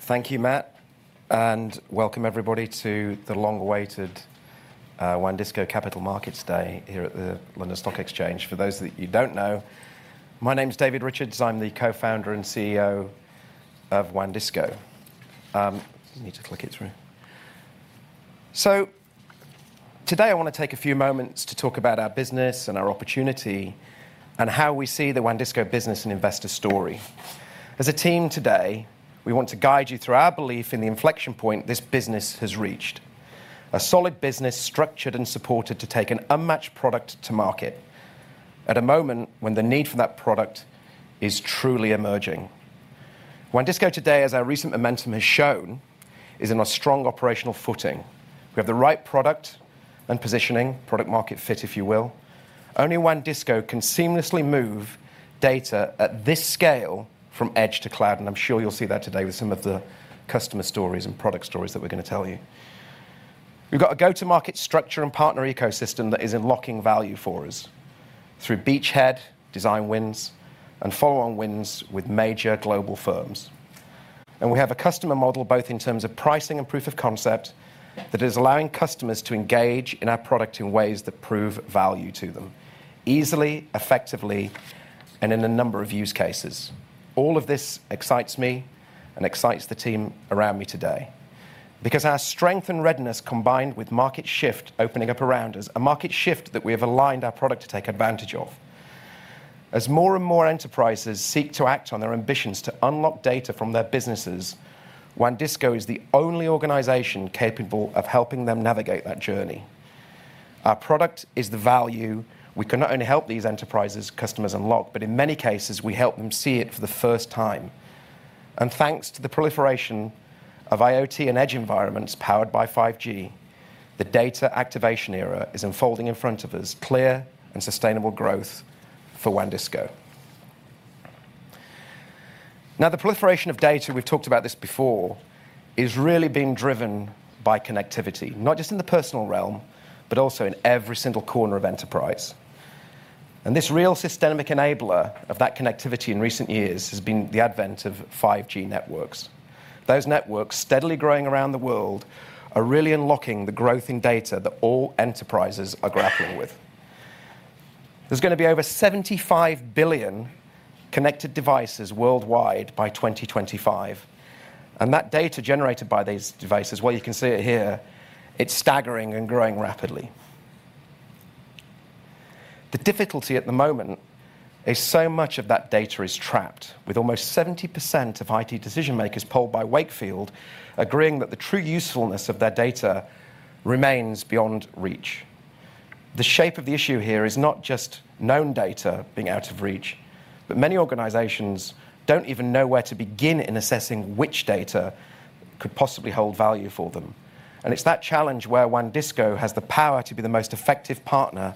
Thank you Matt and welcome everybody to the long-awaited WANdisco Capital Markets Day here at the London Stock Exchange. For those that you don't know my name's David Richards. I'm the co-founder and CEO of WANdisco. Need to click it through. Today I wanna take a few moments to talk about our business and our opportunity and how we see the WANdisco business and investor story. As a team today, we want to guide you through our belief in the inflection point this business has reached. A solid business structured and supported to take an unmatched product to market at a moment when the need for that product is truly emerging. WANdisco today, as our recent momentum has shown is in a strong operational footing. We have the right product and positioning product market fit if you will. Only WANdisco can seamlessly move data at this scale from edge to cloud and I'm sure you'll see that today with some of the customer stories and product stories that we're gonna tell you. We've got a go-to-market structure and partner ecosystem that is unlocking value for us through beachhead design wins, and follow-on wins with major global firms. We have a customer model, both in terms of pricing and proof of concept that is allowing customers to engage in our product in ways that prove value to them easily effectively and in a number of use cases. All of this excites me and excites the team around me today because our strength and readiness combined with market shift opening up around us a market shift that we have aligned our product to take advantage of. As more and more enterprises seek to act on their ambitions to unlock data from their businesses, WANdisco is the only organization capable of helping them navigate that journey. Our product is the value. We can not only help these enterprises' customers unlock but in many cases we help them see it for the first time. And thanks to the proliferation of IoT and edge environments powered by 5G the data activation era is unfolding in front of us clear and sustainable growth for WANdisco. Now, the proliferation of data we've talked about this before is really being driven by connectivity not just in the personal realm but also in every single corner of enterprise. This real systemic enabler of that connectivity in recent years has been the advent of 5G networks. Those networks steadily growing around the world are really unlocking the growth in data that all enterprises are grappling with. There's gonna be over 75 billion connected devices worldwide by 2025 and that data generated by these devices, well, you can see it here it's staggering and growing rapidly. The difficulty at the moment is so much of that data is trapped with almost 70% of IT decision-makers polled by Wakefield agreeing that the true usefulness of their data remains beyond reach. The shape of the issue here is not just known data being out of reach but many organizations don't even know where to begin in assessing which data could possibly hold value for them. It's that challenge where WANdisco has the power to be the most effective partner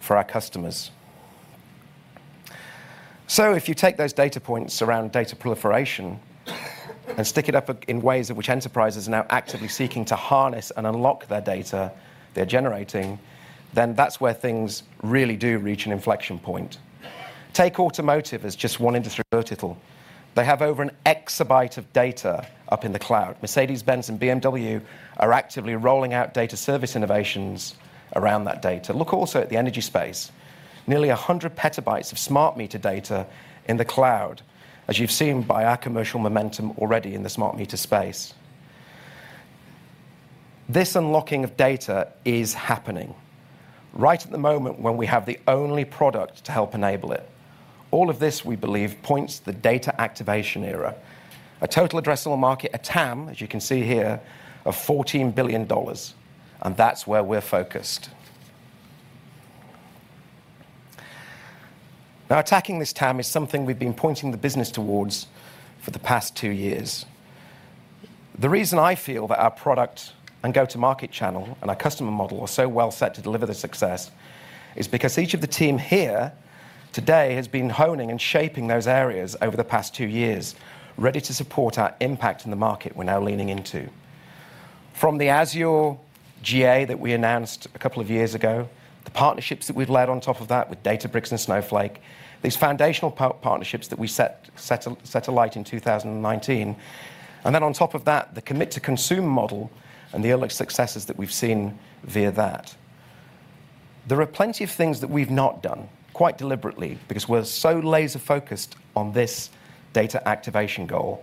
for our customers. So if you take those data points around data proliferation and stick it up in ways in which enterprises are now actively seeking to harness and unlock their data they're generating then that's where things really do reach an inflection point. Take automotive as just one industry vertical. They have over an exabyte of data up in the cloud. Mercedes-Benz and BMW are actively rolling out data service innovations around that data. Look also at the energy space. Nearly 100 petabytes of smart meter data in the cloud as you've seen by our commercial momentum already in the smart meter space. This unlocking of data is happening right at the moment when we have the only product to help enable it. All of this we believe points the data activation era. A total addressable market a TAM as you can see here of $14 billion and that's where we're focused. Now, attacking this TAM is something we've been pointing the business towards for the past two years. The reason I feel that our product and go-to-market channel and our customer model are so well set to deliver the success is because each of the team here today has been honing and shaping those areas over the past two years ready to support our impact in the market we're now leaning into. From the Azure GA that we announced a couple of years ago the partnerships that we've led on top of that with Databricks and Snowflake, these foundational partnerships that we set alight in 2019. And then on top of that the commit-to-consume model and the early successes that we've seen via that. There are plenty of things that we've not done quite deliberately because we're so laser-focused on this data activation goal.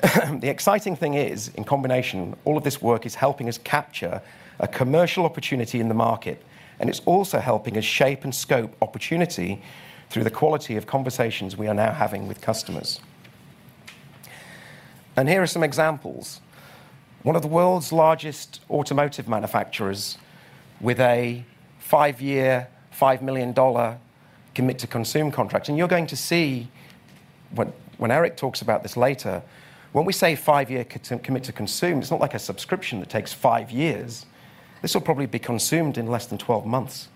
The exciting thing is in combination all of this work is helping us capture a commercial opportunity in the market and it's also helping us shape and scope opportunity through the quality of conversations we are now having with customers. And here are some examples. One of the world's largest automotive manufacturers with a five-year, $5 million commit-to-consume contract. You're going to see when Erik talks about this later when we say five-year commit-to-consume, it's not like a subscription that takes five years. This will probably be consumed in less than 12 months.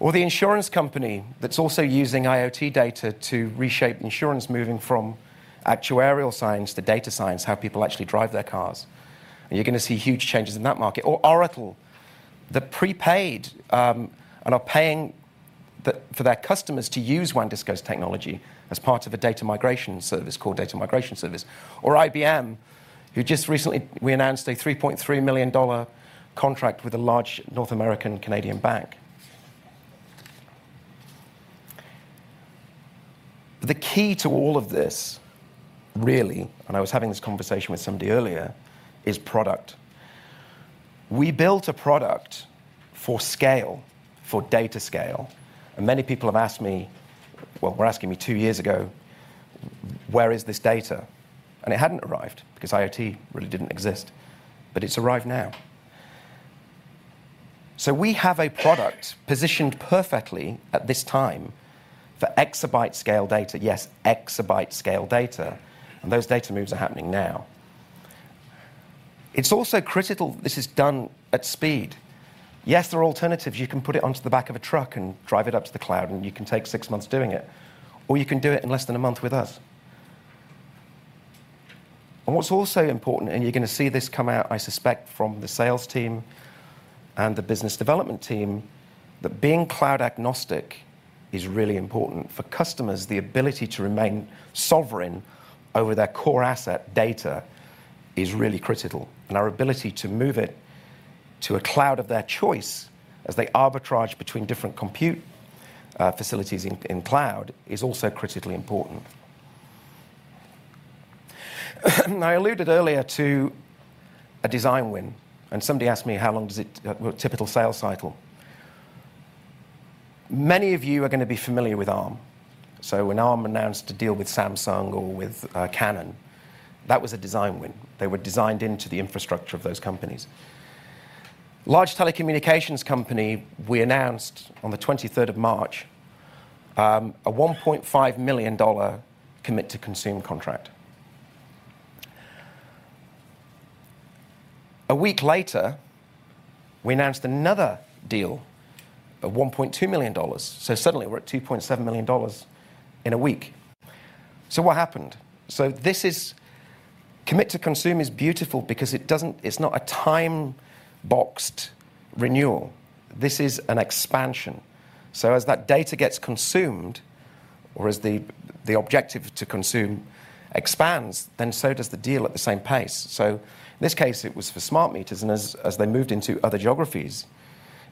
Or the insurance company that's also using IoT data to reshape insurance, moving from actuarial science to data science, how people actually drive their cars, and you're gonna see huge changes in that market. Oracle the prepaid and they're paying that for their customers to use WANdisco's technology as part of a data migration service called Data Migration Service or IBM, we just recently announced a $3.3 million contract with a large North American Canadian bank. The key to all of this really and I was having this conversation with somebody earlier is product. We built a product for data scale and many people have asked me well they were asking me two years ago where is this data? It hadn't arrived because IoT really didn't exist but it's arrived now. We have a product positioned perfectly at this time for exabyte scale data. Yes, exabyte scale data and those data moves are happening now. It's also critical this is done at speed. Yes, there are alternatives. You can put it onto the back of a truck and drive it up to the cloud, and you can take six months doing it or you can do it in less than a month with us. What's also important and you're going to see this come out I suspect from the sales team and the business development team that being cloud agnostic is really important. For customers, the ability to remain sovereign over their core asset, data is really critical and our ability to move it to a cloud of their choice as they arbitrage between different compute facilities in cloud is also critically important. I alluded earlier to a design win and somebody asked me how long does a typical sales cycle? Many of you are going to be familiar with Arm. So when Arm announced a deal with Samsung, or with Canon, that was a design win. They were designed into the infrastructure of those companies. Large telecommunications company we announced on the twenty-third of March a $1.5 million commit-to-consume contract. A week later we announced another deal of $1.2 million. Suddenly we're at $2.7 million in a week. What happened? This is commit-to-consume is beautiful because it doesn't. It's not a time-boxed renewal. This is an expansion. As that data gets consumed or as the objective to consume expands, then so does the deal at the same pace. In this case it was for smart meters and as they moved into other geographies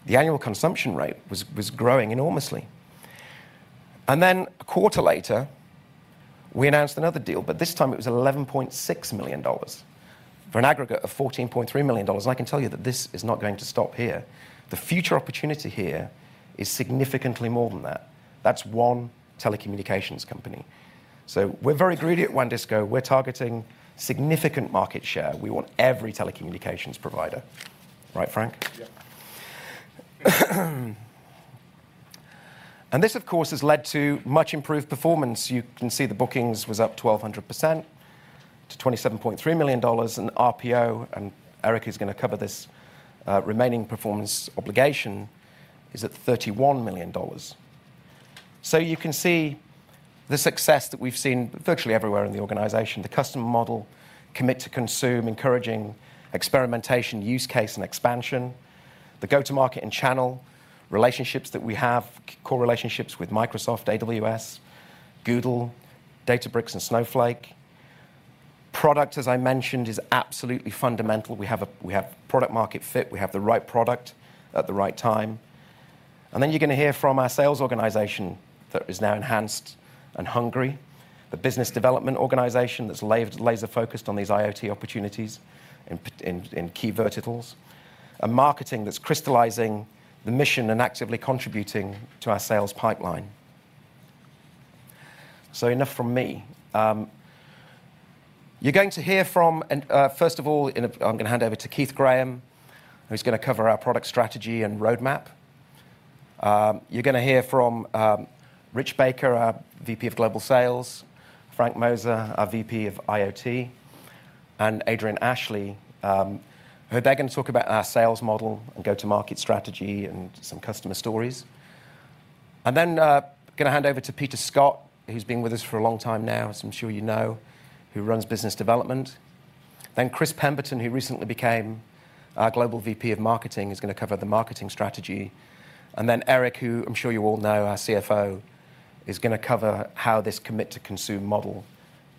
the annual consumption rate was growing enormously. And then a quarter later, we announced another deal but this time it was $11.6 million for an aggregate of $14.3 million. I can tell you that this is not going to stop here. The future opportunity here is significantly more than that. That's one telecommunications company. We're very greedy at WANdisco. We're targeting significant market share. We want every telecommunications provider. Right, Frank? Yeah. This, of course, has led to much improved performance. You can see the bookings was up 1,200% to $27.3 million in RPO and Erik is going to cover this, remaining performance obligation is at $31 million. You can see the success that we've seen virtually everywhere in the organization. The customer model commit to consume encouraging experimentation use case and expansion. The go-to-market and channel relationships that we have core relationships with Microsoft, AWS, Google, Databricks, and Snowflake. Product as I mentioned is absolutely fundamental. We have product market fit. We have the right product at the right time. You're going to hear from our sales organization that is now enhanced and hungry. The business development organization that's laser-focused on these IoT opportunities in key verticals. Our marketing that's crystallizing the mission and actively contributing to our sales pipeline. So enough from me. You're going to here from. First of all, I'm going to hand over to Keith Graham who's going to cover our product strategy and roadmap. You're going to hear from Rich Baker, our VP of Global Sales, Frank Moser, our VP of IoT, and Adrian Ashley, they're going to talk about our sales model and go-to-market strategy and some customer stories. And then going to hand over to Peter Scott who's been with us for a long time now as I'm sure you know who runs business development. Then Chris Pemberton, who recently became our Global VP of Marketing is going to cover the marketing strategy. And then Erik, who I'm sure you all know, our CFO, is going to cover how this commit-to-consume model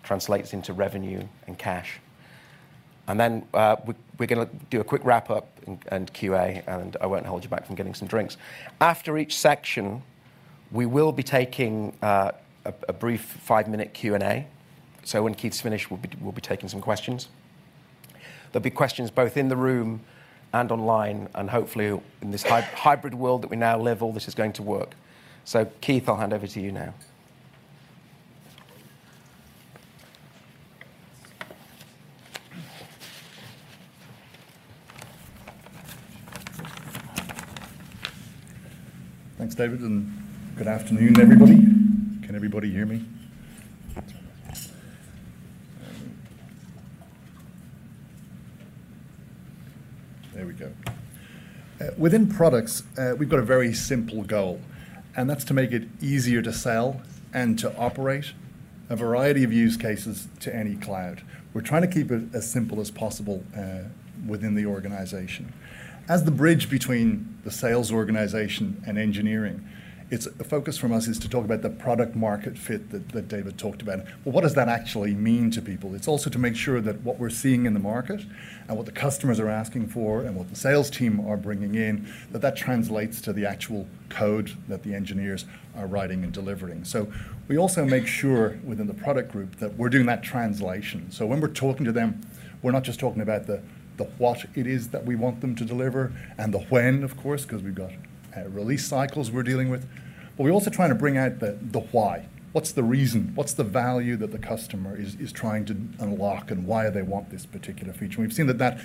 translates into revenue and cash. And then we're going to do a quick wrap-up and Q&A, and I won't hold you back from getting some drinks. After each section, we will be taking a brief five-minute Q&A. When Keith's finished, we'll be taking some questions. There'll be questions both in the room and online and hopefully in this hybrid world that we now live all this is going to work. So Keith, I'll hand over to you now. Thanks David and good afternoon everybody. Can everybody hear me? There we go. Within products we've got a very simple goal and that's to make it easier to sell and to operate a variety of use cases to any cloud. We're trying to keep it as simple as possible within the organization. As the bridge between the sales organization and engineering it's a focus from us to talk about the product market fit that David talked about. But what does that actually mean to people? It's also to make sure that what we're seeing in the market and what the customers are asking for and what the sales team are bringing in that translates to the actual code that the engineers are writing and delivering. So, we also make sure within the product group that we're doing that translation. When we're talking to them, we're not just talking about the what it is that we want them to deliver and the when, of course, because we've got release cycles we're dealing with but we're also trying to bring out the why. What's the reason? What's the value that the customer is trying to unlock? And why they want this particular feature? We've seen that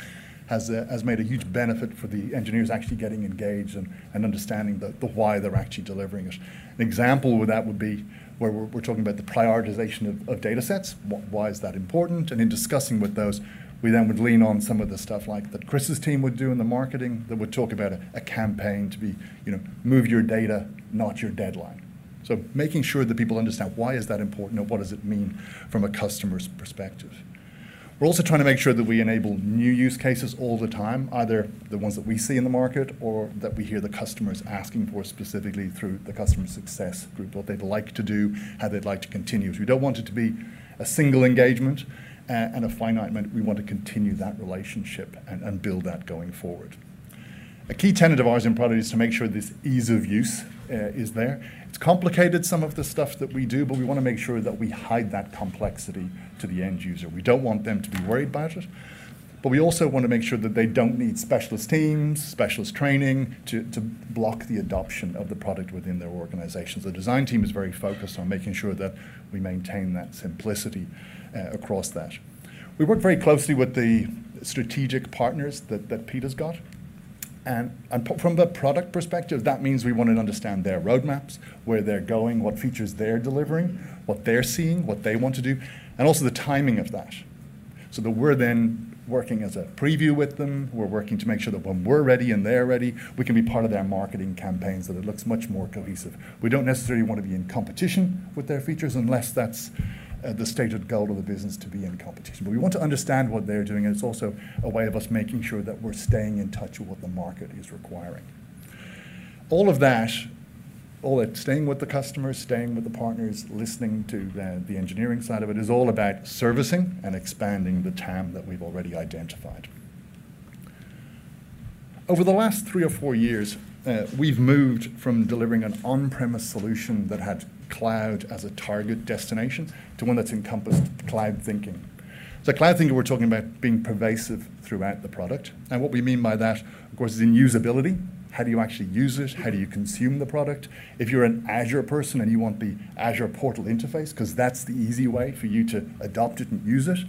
has made a huge benefit for the engineers actually getting engaged and understanding the why they're actually delivering it. An example with that would be where we're talking about the prioritization of datasets, why is that important? In discussing with those, we then would lean on some of the stuff like that Chris's team would do in the marketing that would talk about a campaign, you know, move your data, not your deadline. Making sure that people understand why that is important or what it means from a customer's perspective. We're also trying to make sure that we enable new use cases all the time, either the ones that we see in the market or that we hear the customers asking for specifically through the customer success group what they'd like to do how they'd like to continue. We don't want it to be a single engagement. We want to continue that relationship and build that going forward. A key tenet of ours in product is to make sure there's ease of use is there. It's complicated some of the stuff that we do but we wanna make sure that we hide that complexity to the end user. We don't want them to be worried about it but we also wanna make sure that they don't need specialist teams, specialist training to block the adoption of the product within their organizations. The design team is very focused on making sure that we maintain that simplicity across that. We work very closely with the strategic partners that Peter's got and from the product perspective that means we wanna understand their roadmaps where they're going, what features they're delivering, what they're seeing, what they want to do, and also the timing of that so that we're then working as a preview with them. We're working to make sure that when we're ready and they're ready we can be part of their marketing campaign so that it looks much more cohesive. We don't necessarily wanna be in competition with their features unless that's the stated goal of the business to be in competition. But we want to understand what they're doing and it's also a way of us making sure that we're staying in touch with what the market is requiring. All of that staying with the customers staying with the partners listening to the engineering side of it is all about servicing and expanding the TAM that we've already identified. Over the last three or four years, we've moved from delivering an on-premise solution that had cloud as a target destination to one that's encompassed cloud thinking. Cloud thinking we're talking about being pervasive throughout the product and what we mean by that, of course is in usability. How do you actually use it? How do you consume the product? If you're an Azure person and you want the Azure portal interface because that's the easy way for you to adopt it and use it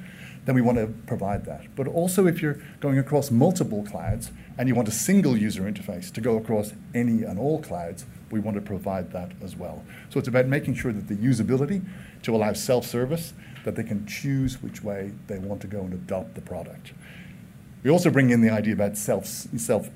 then we want to provide that. Also if you're going across multiple clouds and you want a single user interface to go across any and all clouds we want to provide that as well. It's about making sure that the usability to allow self-service that they can choose which way they want to go and adopt the product. We also bring in the idea about self-solve.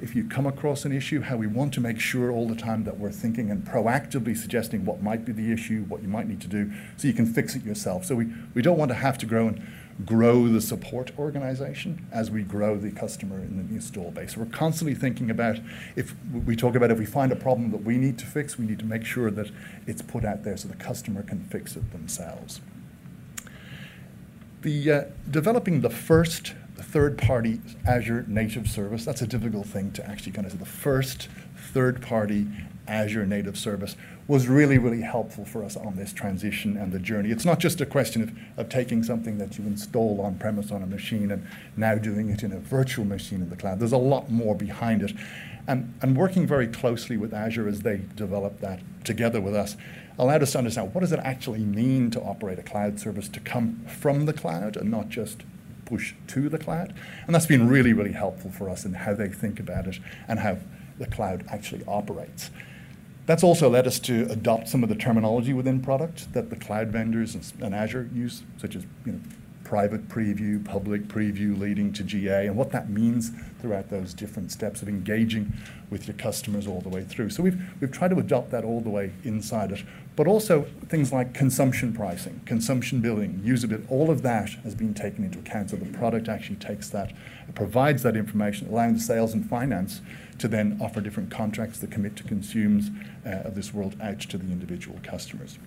If you come across an issue, how we want to make sure all the time that we're thinking and proactively suggesting what might be the issue what you might need to do, so you can fix it yourself. We don't want to have to grow the support organization as we grow the customer and the install base. We're constantly thinking about if we talk about if we find a problem that we need to fix, we need to make sure that it's put out there so the customer can fix it themselves. Developing the first third-party Azure native service, that's a difficult thing to actually. The first third-party Azure native service was really helpful for us on this transition and the journey. It's not just a question of taking something that you install on-premises on a machine and now doing it in a virtual machine in the cloud. There's a lot more behind it, and working very closely with Azure as they develop that together with us allowed us to understand what does it actually mean to operate a cloud service, to come from the cloud and not just push to the cloud? That's been really, really helpful for us in how they think about it and how the cloud actually operates. That's also led us to adopt some of the terminology within product that the cloud vendors and Azure use such as you know private preview public preview leading to GA and what that means throughout those different steps of engaging with your customers all the way through. We've tried to adopt that all the way inside it. Things like consumption pricing, consumption billing, usability, all of that has been taken into account so the product actually takes that and provides that information allowing the sales and finance to then offer different contracts that commit-to-consume of this world edge to the individual customers.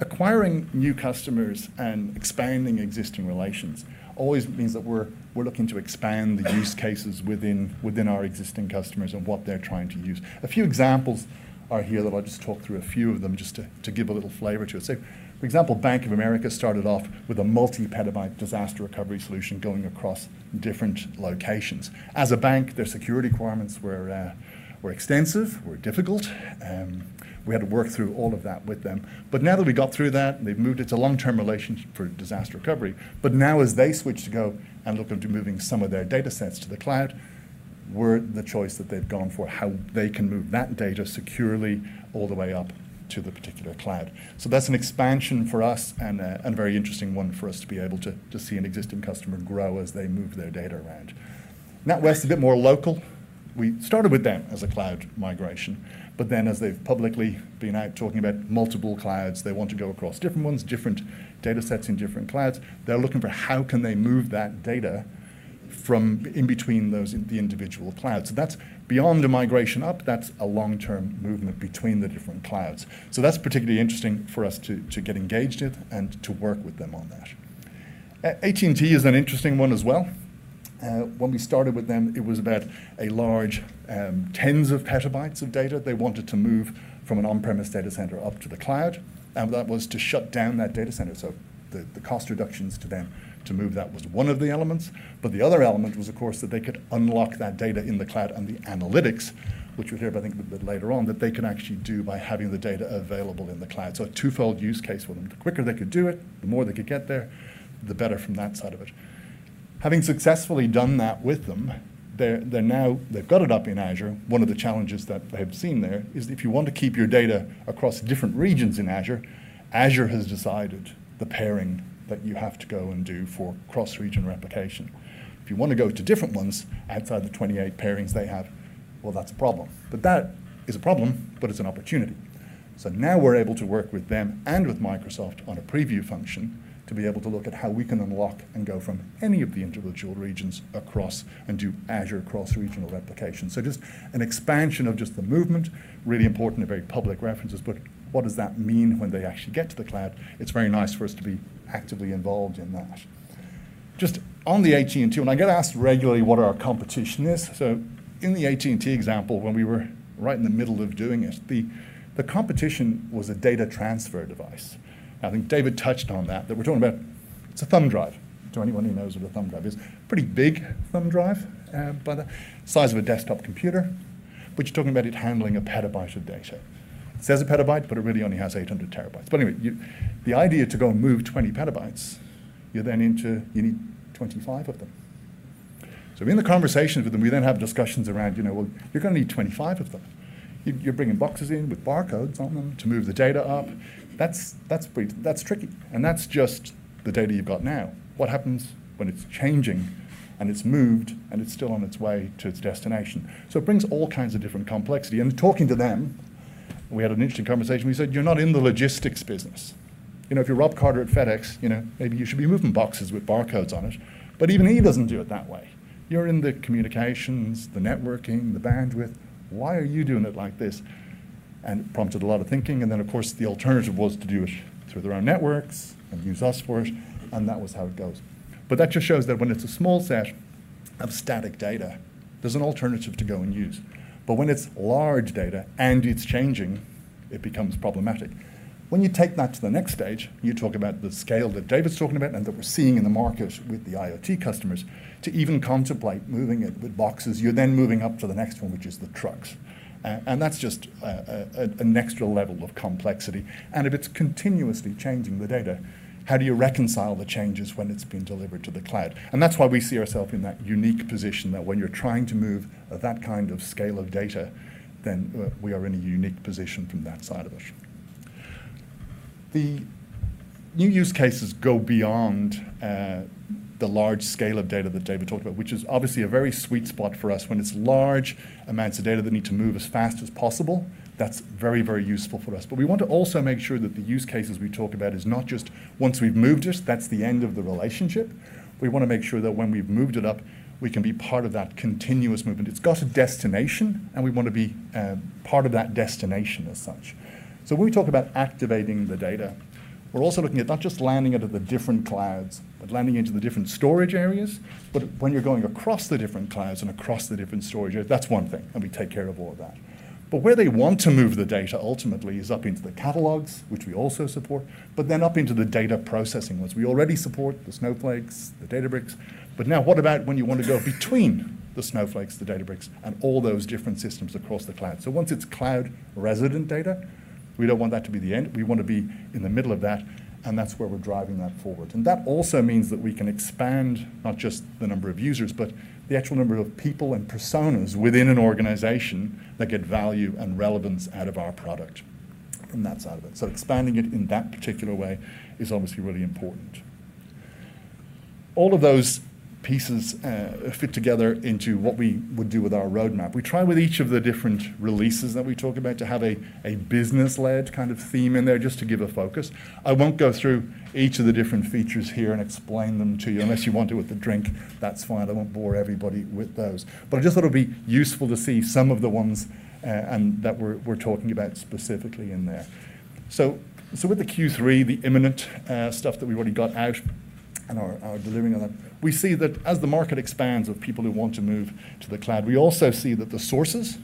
Acquiring new customers and expanding existing relations always means that we're looking to expand the use cases within our existing customers and what they're trying to use. A few examples are here that I'll just talk through a few of them just to give a little flavor to it. For example, Bank of America started off with a multi-petabyte disaster recovery solution going across different locations. As a bank, their security requirements were extensive and difficult. We had to work through all of that with them. Now that we got through that and they've moved, it's a long-term relationship for disaster recovery. Now as they switch to go and look into moving some of their datasets to the cloud, we're the choice that they've gone for how they can move that data securely all the way up to the particular cloud. That's an expansion for us and a very interesting one for us to be able to see an existing customer grow as they move their data around. NatWest is a bit more local. We started with them as a cloud migration, but then as they've publicly been out talking about multiple clouds, they want to go across different ones, different data sets in different clouds. They're looking for how can they move that data from in between those, the individual clouds. That's beyond a migration up. That's a long-term movement between the different clouds. That's particularly interesting for us to get engaged with and to work with them on that. AT&T is an interesting one as well. When we started with them it was about a large tens of petabytes of data they wanted to move from an on-premise data center up to the cloud and that was to shut down that data center. The cost reductions to them to move that was one of the elements, but the other element was, of course, that they could unlock that data in the cloud and the analytics, which we'll hear about, I think, a bit later on, that they can actually do by having the data available in the cloud. A twofold use case for them. The quicker they could do it the more they could get there the better from that side of it. Having successfully done that with them they're now. They've got it up in Azure. One of the challenges that they have seen there is if you want to keep your data across different regions in Azure has decided the pairing that you have to go and do for cross-region replication. If you want to go to different ones outside the 28 pairings they have, well, that's a problem. That is a problem, but it's an opportunity. Now we're able to work with them and with Microsoft on a preview function to be able to look at how we can unlock and go from any of the individual regions across and do Azure cross-regional replication. Just an expansion of just the movement, really important and very public references. What does that mean when they actually get to the cloud? It's very nice for us to be actively involved in that. Just on the AT&T and I get asked regularly what our competition is. In the AT&T example, when we were right in the middle of doing it the competition was a data transfer device. I think David touched on that we're talking about. It's a thumb drive. To anyone who knows what a thumb drive is. Pretty big thumb drive, by the size of a desktop computer. You're talking about it handling a petabyte of data. It says a petabyte, but it really only has 800 TB. Anyway, the idea to go and move 20 PB, you need 25 of them. In the conversations with them we then have discussions around you know well you're gonna need 25 of them. You're bringing boxes in with barcodes on them to move the data up. That's tricky, and that's just the data you've got now. What happens when it's changing and it's moved, and it's still on its way to its destination? It brings all kinds of different complexity and talking to them we had an interesting conversation. We said, "You're not in the logistics business. You know, if you're Rob Carter at FedEx, you know, maybe you should be moving boxes with barcodes on it. But even he doesn't do it that way. You're in the communications, the networking, the bandwidth. Why are you doing it like this?" It prompted a lot of thinking and then, of course, the alternative was to do it through their own networks and use us for it and that was how it goes. That just shows that when it's a small set of static data, there's an alternative to go and use. When it's large data and it's changing it becomes problematic. When you take that to the next stage you talk about the scale that David's talking about and that we're seeing in the market with the IoT customers to even contemplate moving it with boxes. You're then moving up to the next one which is the trucks. That's just an extra level of complexity and if it's continuously changing the data how do you reconcile the changes when it's been delivered to the cloud? That's why we see ourself in that unique position that when you're trying to move that kind of scale of data then we are in a unique position from that side of it. The new use cases go beyond the large scale of data that David talked about which is obviously a very sweet spot for us. When it's large amounts of data that need to move as fast as possible that's very, very useful for us. We want to also make sure that the use cases we talk about is not just once we've moved it that's the end of the relationship. We want to make sure that when we've moved it up we can be part of that continuous movement. It's got a destination and we want to be part of that destination as such. When we talk about activating the data, we're also looking at not just landing it at the different clouds but landing into the different storage areas. When you're going across the different clouds and across the different storage. That's one thing and we take care of all of that. Where they want to move the data ultimately is up into the catalogs which we also support but then up into the data processing ones. We already support the Snowflake, the Databricks, but now what about when you want to go between the Snowflake, the Databricks, and all those different systems across the cloud? Once it's cloud-resident data we don't want that to be the end. We want to be in the middle of that, and that's where we're driving that forward. That also means that we can expand not just the number of users, but the actual number of people and personas within an organization that get value and relevance out of our product from that side of it. Expanding it in that particular way is obviously really important. All of those pieces fit together into what we would do with our roadmap. We try with each of the different releases that we talk about to have a business-led kind of theme in there just to give a focus. I won't go through each of the different features here and explain them to you unless you want to with a drink. That's fine. I won't bore everybody with those. I just thought it'd be useful to see some of the ones and that we're talking about specifically in there. With the Q3, the imminent stuff that we've already got out and are delivering on that, we see that as the market expands of people who want to move to the cloud. We also see that the sources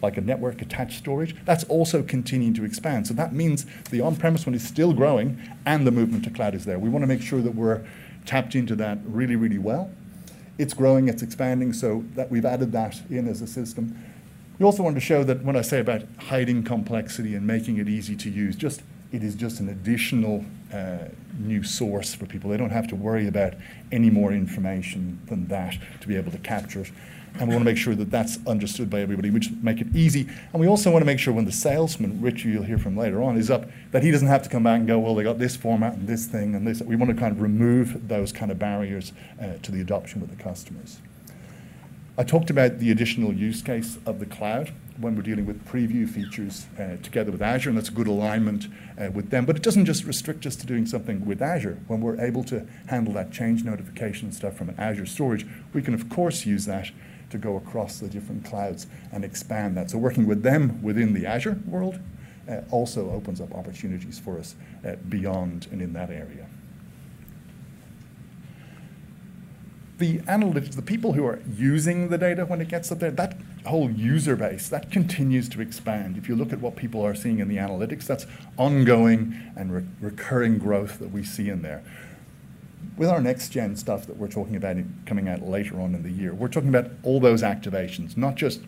like a network-attached storage that's also continuing to expand. That means the on-premise one is still growing and the movement to cloud is there. We wanna make sure that we're tapped into that really, really well. It's growing. It's expanding so that we've added that in as a system. We also wanted to show that when I say about hiding complexity and making it easy to use just it is just an additional new source for people. They don't have to worry about any more information than that to be able to capture it. We want to make sure that that's understood by everybody, which make it easy. We also want to make sure when the salesman, Rich, who you'll hear from later on is up that he doesn't have to come back and go "Well, they got this format and this thing and this." We want to kind of remove those kind of barriers to the adoption with the customers. I talked about the additional use case of the cloud when we're dealing with preview features together with Azure and that's a good alignment with them. It doesn't just restrict us to doing something with Azure. When we're able to handle that change notification stuff from an Azure storage we can of course use that to go across the different clouds and expand that. Working with them within the Azure world also opens up opportunities for us beyond and in that area. The people who are using the data when it gets up there that whole user base that continues to expand. If you look at what people are seeing in the analytics, that's ongoing and recurring growth that we see in there. With our next gen stuff that we're talking about coming out later on in the year we're talking about all those activations not just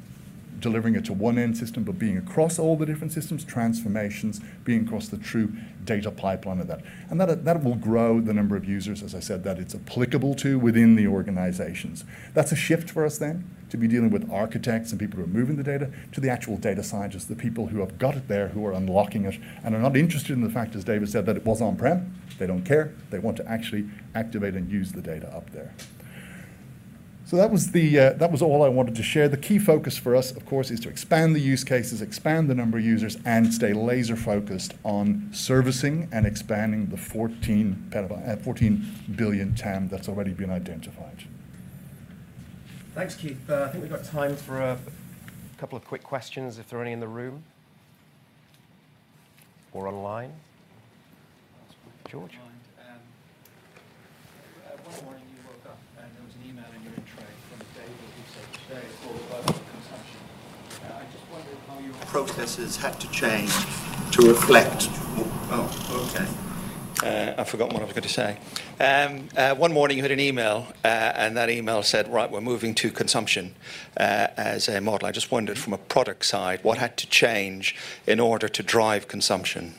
delivering it to one end system but being across all the different systems transformations being across the true data pipeline of that. That will grow the number of users as I said that it's applicable to within the organizations. That's a shift for us then to be dealing with architects and people who are moving the data to the actual data scientists, the people who have got it there, who are unlocking it and are not interested in the fact as David said that it was on-prem. They don't care. They want to actually activate and use the data up there. That was all I wanted to share. The key focus for us, of course, is to expand the use cases expand the number of users and stay laser-focused on servicing and expanding the 14 billion TAM that's already been identified. Thanks, Keith. I think we've got time for a couple of quick questions if there are any in the room or online. George. [Audio Inaudible] One morning you had an email, and that email said, "Right, we're moving to consumption as a model." I just wondered from a product side what had to change in order to drive consumption?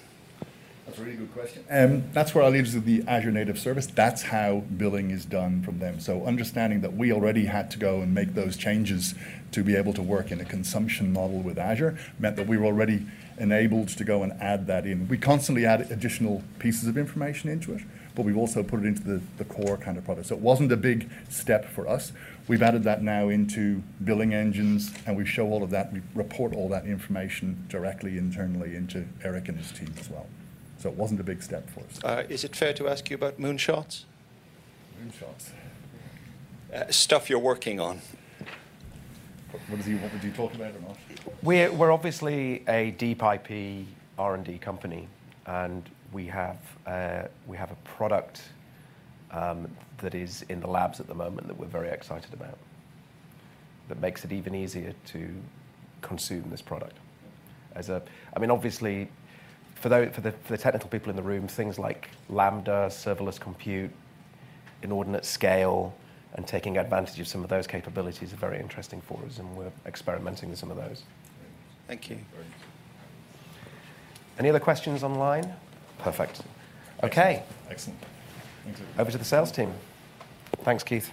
That's a very good question. That's where I'll leave to the Azure native service. That's how billing is done from them. Understanding that we already had to go and make those changes to be able to work in a consumption model with Azure meant that we were already enabled to go and add that in. We constantly add additional pieces of information into it but we've also put it into the core kind of product. It wasn't a big step for us. We've added that now into billing engines, and we show all of that, we report all that information directly internally into Erik and his team as well. It wasn't a big step for us. Is it fair to ask you about moonshots? Moonshots? Stuff you're working on. What did he talk about or not? We're obviously a deep IP R&D company and we have a product that is in the labs at the moment that we're very excited about that makes it even easier to consume this product. I mean, obviously for the technical people in the room things like Lambda, serverless compute, inordinate scale, and taking advantage of some of those capabilities are very interesting for us and we're experimenting with some of those. Thank you. All right. Any other questions online? Perfect. Okay. Excellent. Thank you. Over to the sales team. Thanks, Keith.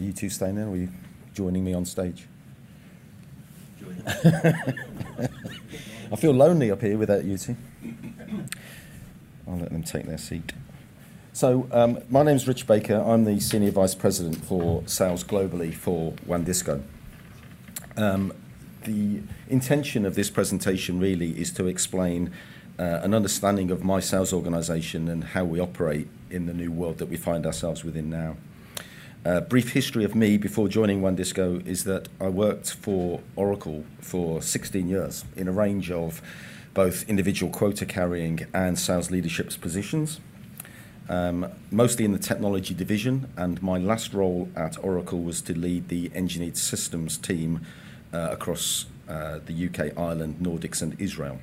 Are you two staying there, or are you joining me on stage? Joining. I feel lonely up here without you two. I'll let them take their seat. My name's Rich Baker. I'm the Senior Vice President for sales globally for WANdisco. The intention of this presentation really is to explain an understanding of my sales organization and how we operate in the new world that we find ourselves within now. A brief history of me before joining WANdisco is that I worked for Oracle for 16 years in a range of both individual quota-carrying and sales leadership positions, mostly in the technology division, and my last role at Oracle was to lead the Engineered Systems team across the UK, Ireland, Nordics, and Israel.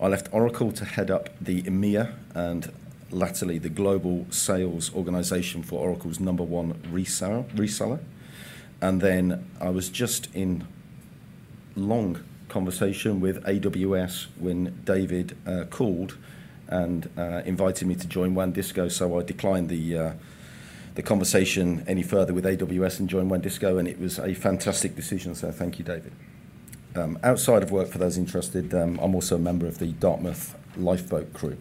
I left Oracle to head up the EMEA and latterly, the global sales organization for Oracle's number one reseller. And then, I was just in long conversation with AWS when David called and invited me to join WANdisco, so I declined the conversation any further with AWS and joined WANdisco, and it was a fantastic decision. Thank you, David. Outside of work for those interested, I'm also a member of the Dartmouth Lifeboat Crew.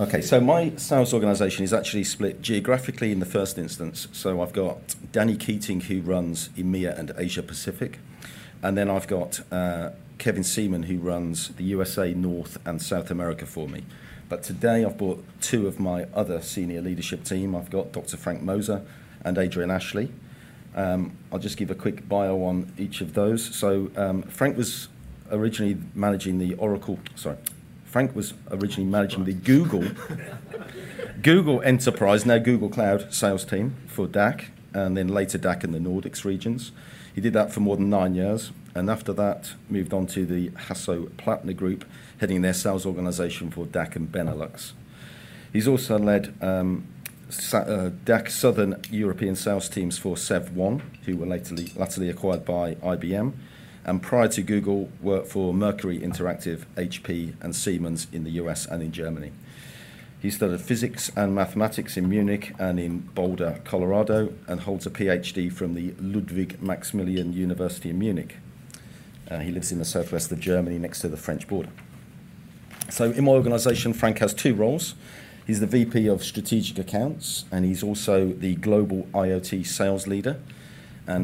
Okay, my sales organization is actually split geographically in the first instance. I've got Danny Keating, who runs EMEA and Asia Pacific, and then I've got Kevin Seaman who runs the USA North and South America for me. Today, I've brought two of my other senior leadership team. I've got Dr. Frank Moser and Adrian Ashley. I'll just give a quick bio on each of those. Frank was originally managing the Oracle. Sorry. Frank was originally managing the Google Enterprise, now Google Cloud sales team for DACH, and then later DACH in the Nordics region. He did that for more than nine years, and after that, moved on to the Hasso Plattner Group, heading their sales organization for DACH and Benelux. He's also led DACH Southern European sales teams for SevOne, who were latterly acquired by IBM. Prior to Google, worked for Mercury Interactive, HP, and Siemens in the US and in Germany. He studied physics and mathematics in Munich and in Boulder, Colorado, and holds a PhD from the Ludwig Maximilian University in Munich. He lives in the southwest of Germany next to the French border. In my organization, Frank has two roles. He's the VP of Strategic Accounts and he's also the Global IoT Sales Leader.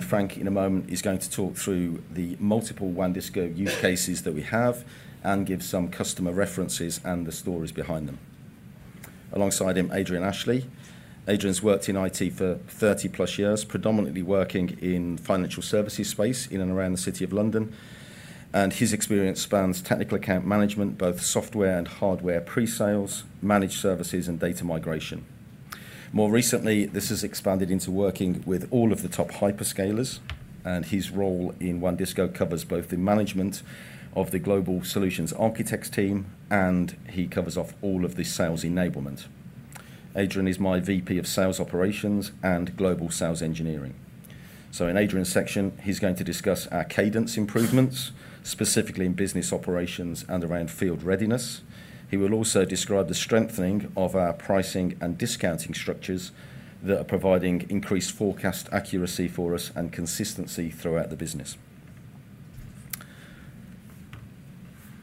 Frank, in a moment, is going to talk through the multiple WANdisco use cases that we have and give some customer references and the stories behind them. Alongside him, Adrian Ashley. Adrian's worked in IT for 30-plus years, predominantly working in financial services space in and around the city of London. His experience spans technical account management, both software and hardware pre-sales, managed services, and data migration. More recently, this has expanded into working with all of the top hyperscalers, and his role in WANdisco covers both the management of the Global Solutions Architects team, and he covers off all of the sales enablement. Adrian is my VP of Sales Operations and Global Sales Engineering. In Adrian's section, he's going to discuss our cadence improvements, specifically in business operations and around field readiness. He will also describe the strengthening of our pricing and discounting structures that are providing increased forecast accuracy for us and consistency throughout the business.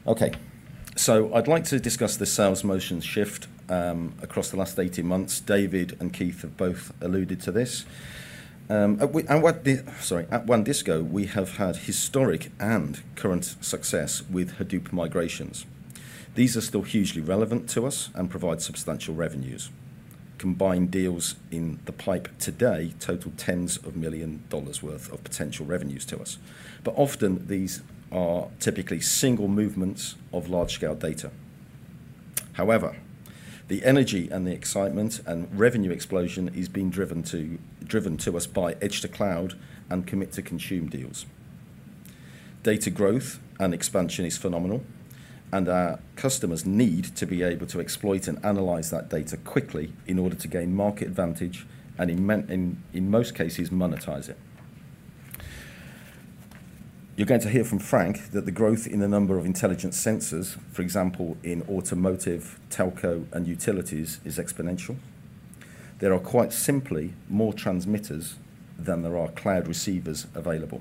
I'd like to discuss the sales motion shift across the last 18 months. David and Keith have both alluded to this. At WANdisco, we have had historic and current success with Hadoop migrations. These are still hugely relevant to us and provide substantial revenues. Combined deals in the pipe today total tens of millions of dollars' worth of potential revenues to us. Often these are typically single movements of large-scale data. However, the energy and the excitement and revenue explosion is being driven to us by edge-to-cloud and commit-to-consume deals. Data growth and expansion is phenomenal and our customers need to be able to exploit and analyze that data quickly in order to gain market advantage and in most cases monetize it. You're going to hear from Frank that the growth in the number of intelligent sensors. For example, in automotive, telco, and utilities, is exponential. There are quite simply more transmitters than there are cloud receivers available.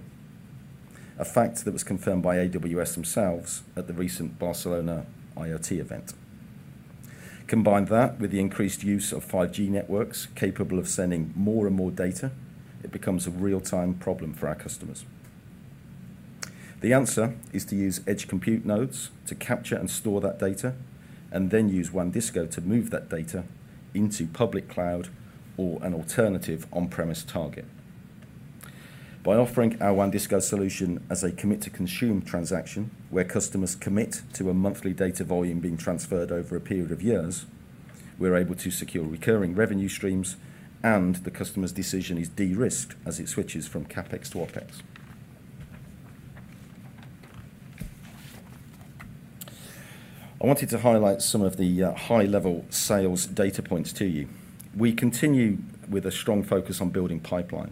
A fact that was confirmed by AWS themselves at the recent Barcelona IoT event. Combine that with the increased use of 5G networks capable of sending more and more data. It becomes a real-time problem for our customers. The answer is to use edge compute nodes to capture and store that data and then use WANdisco to move that data into public cloud or an alternative on-premise target. By offering our WANdisco solution as a commit-to-consume transaction, where customers commit to a monthly data volume being transferred over a period of years, we're able to secure recurring revenue streams, and the customer's decision is de-risked as it switches from CapEx to OpEx. I wanted to highlight some of the high-level sales data points to you. We continue with a strong focus on building pipeline.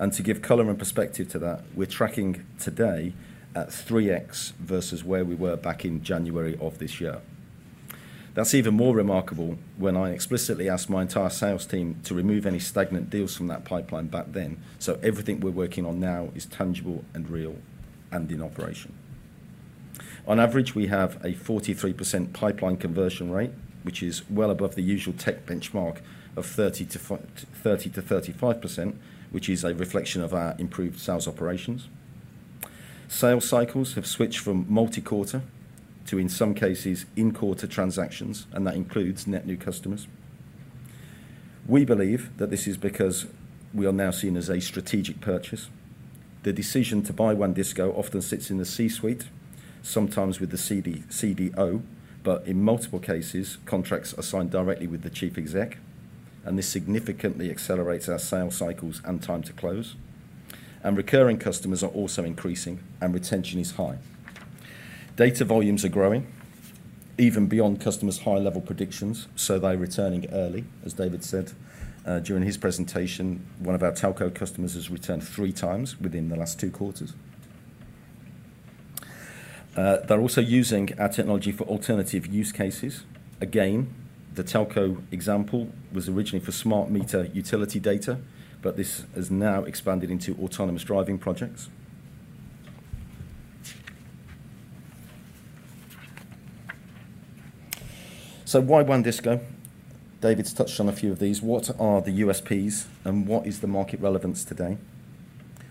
To give color and perspective to that, we're tracking today at 3x versus where we were back in January of this year. That's even more remarkable when I explicitly asked my entire sales team to remove any stagnant deals from that pipeline back then, so everything we're working on now is tangible and real and in operation. On average, we have a 43% pipeline conversion rate, which is well above the usual tech benchmark of 30%-35%, which is a reflection of our improved sales operations. Sales cycles have switched from multi-quarter to, in some cases, in-quarter transactions, and that includes net new customers. We believe that this is because we are now seen as a strategic purchase. The decision to buy WANdisco often sits in the C-suite, sometimes with the CDO, but in multiple cases, contracts are signed directly with the Chief Exec, and this significantly accelerates our sales cycles and time to close. Recurring customers are also increasing, and retention is high. Data volumes are growing, even beyond customers' high-level predictions, so they're returning early, as David said, during his presentation. One of our telco customers has returned three times within the last two quarters. They're also using our technology for alternative use cases. Again, the telco example was originally for smart meter utility data, but this has now expanded into autonomous driving projects. Why WANdisco? David's touched on a few of these. What are the USPs, and what is the market relevance today?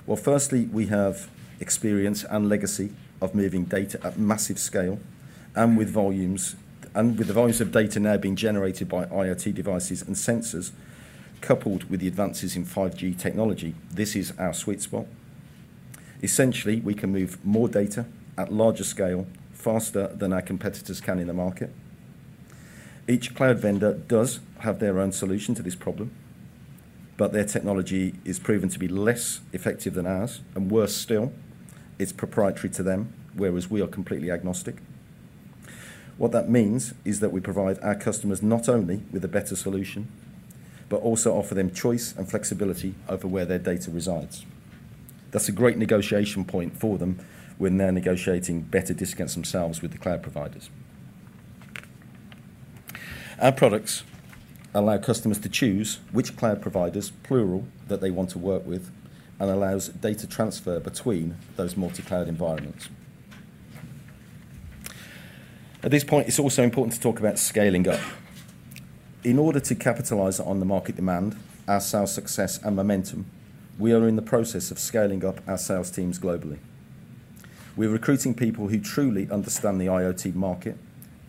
Well, firstly, we have experience and legacy of moving data at massive scale and with volumes, and with the volumes of data now being generated by IoT devices and sensors, coupled with the advances in 5G technology, this is our sweet spot. Essentially, we can move more data at larger scale faster than our competitors can in the market. Each cloud vendor does have their own solution to this problem. Their technology is proven to be less effective than ours, and worse still, it's proprietary to them, whereas we are completely agnostic. What that means is that we provide our customers not only with a better solution, but also offer them choice and flexibility over where their data resides. That's a great negotiation point for them when they're negotiating better discounts themselves with the cloud providers. Our products allow customers to choose which cloud providers, plural, that they want to work with and allows data transfer between those multi-cloud environments. At this point, it's also important to talk about scaling up. In order to capitalize on the market demand, our sales success, and momentum, we are in the process of scaling up our sales teams globally. We're recruiting people who truly understand the IoT market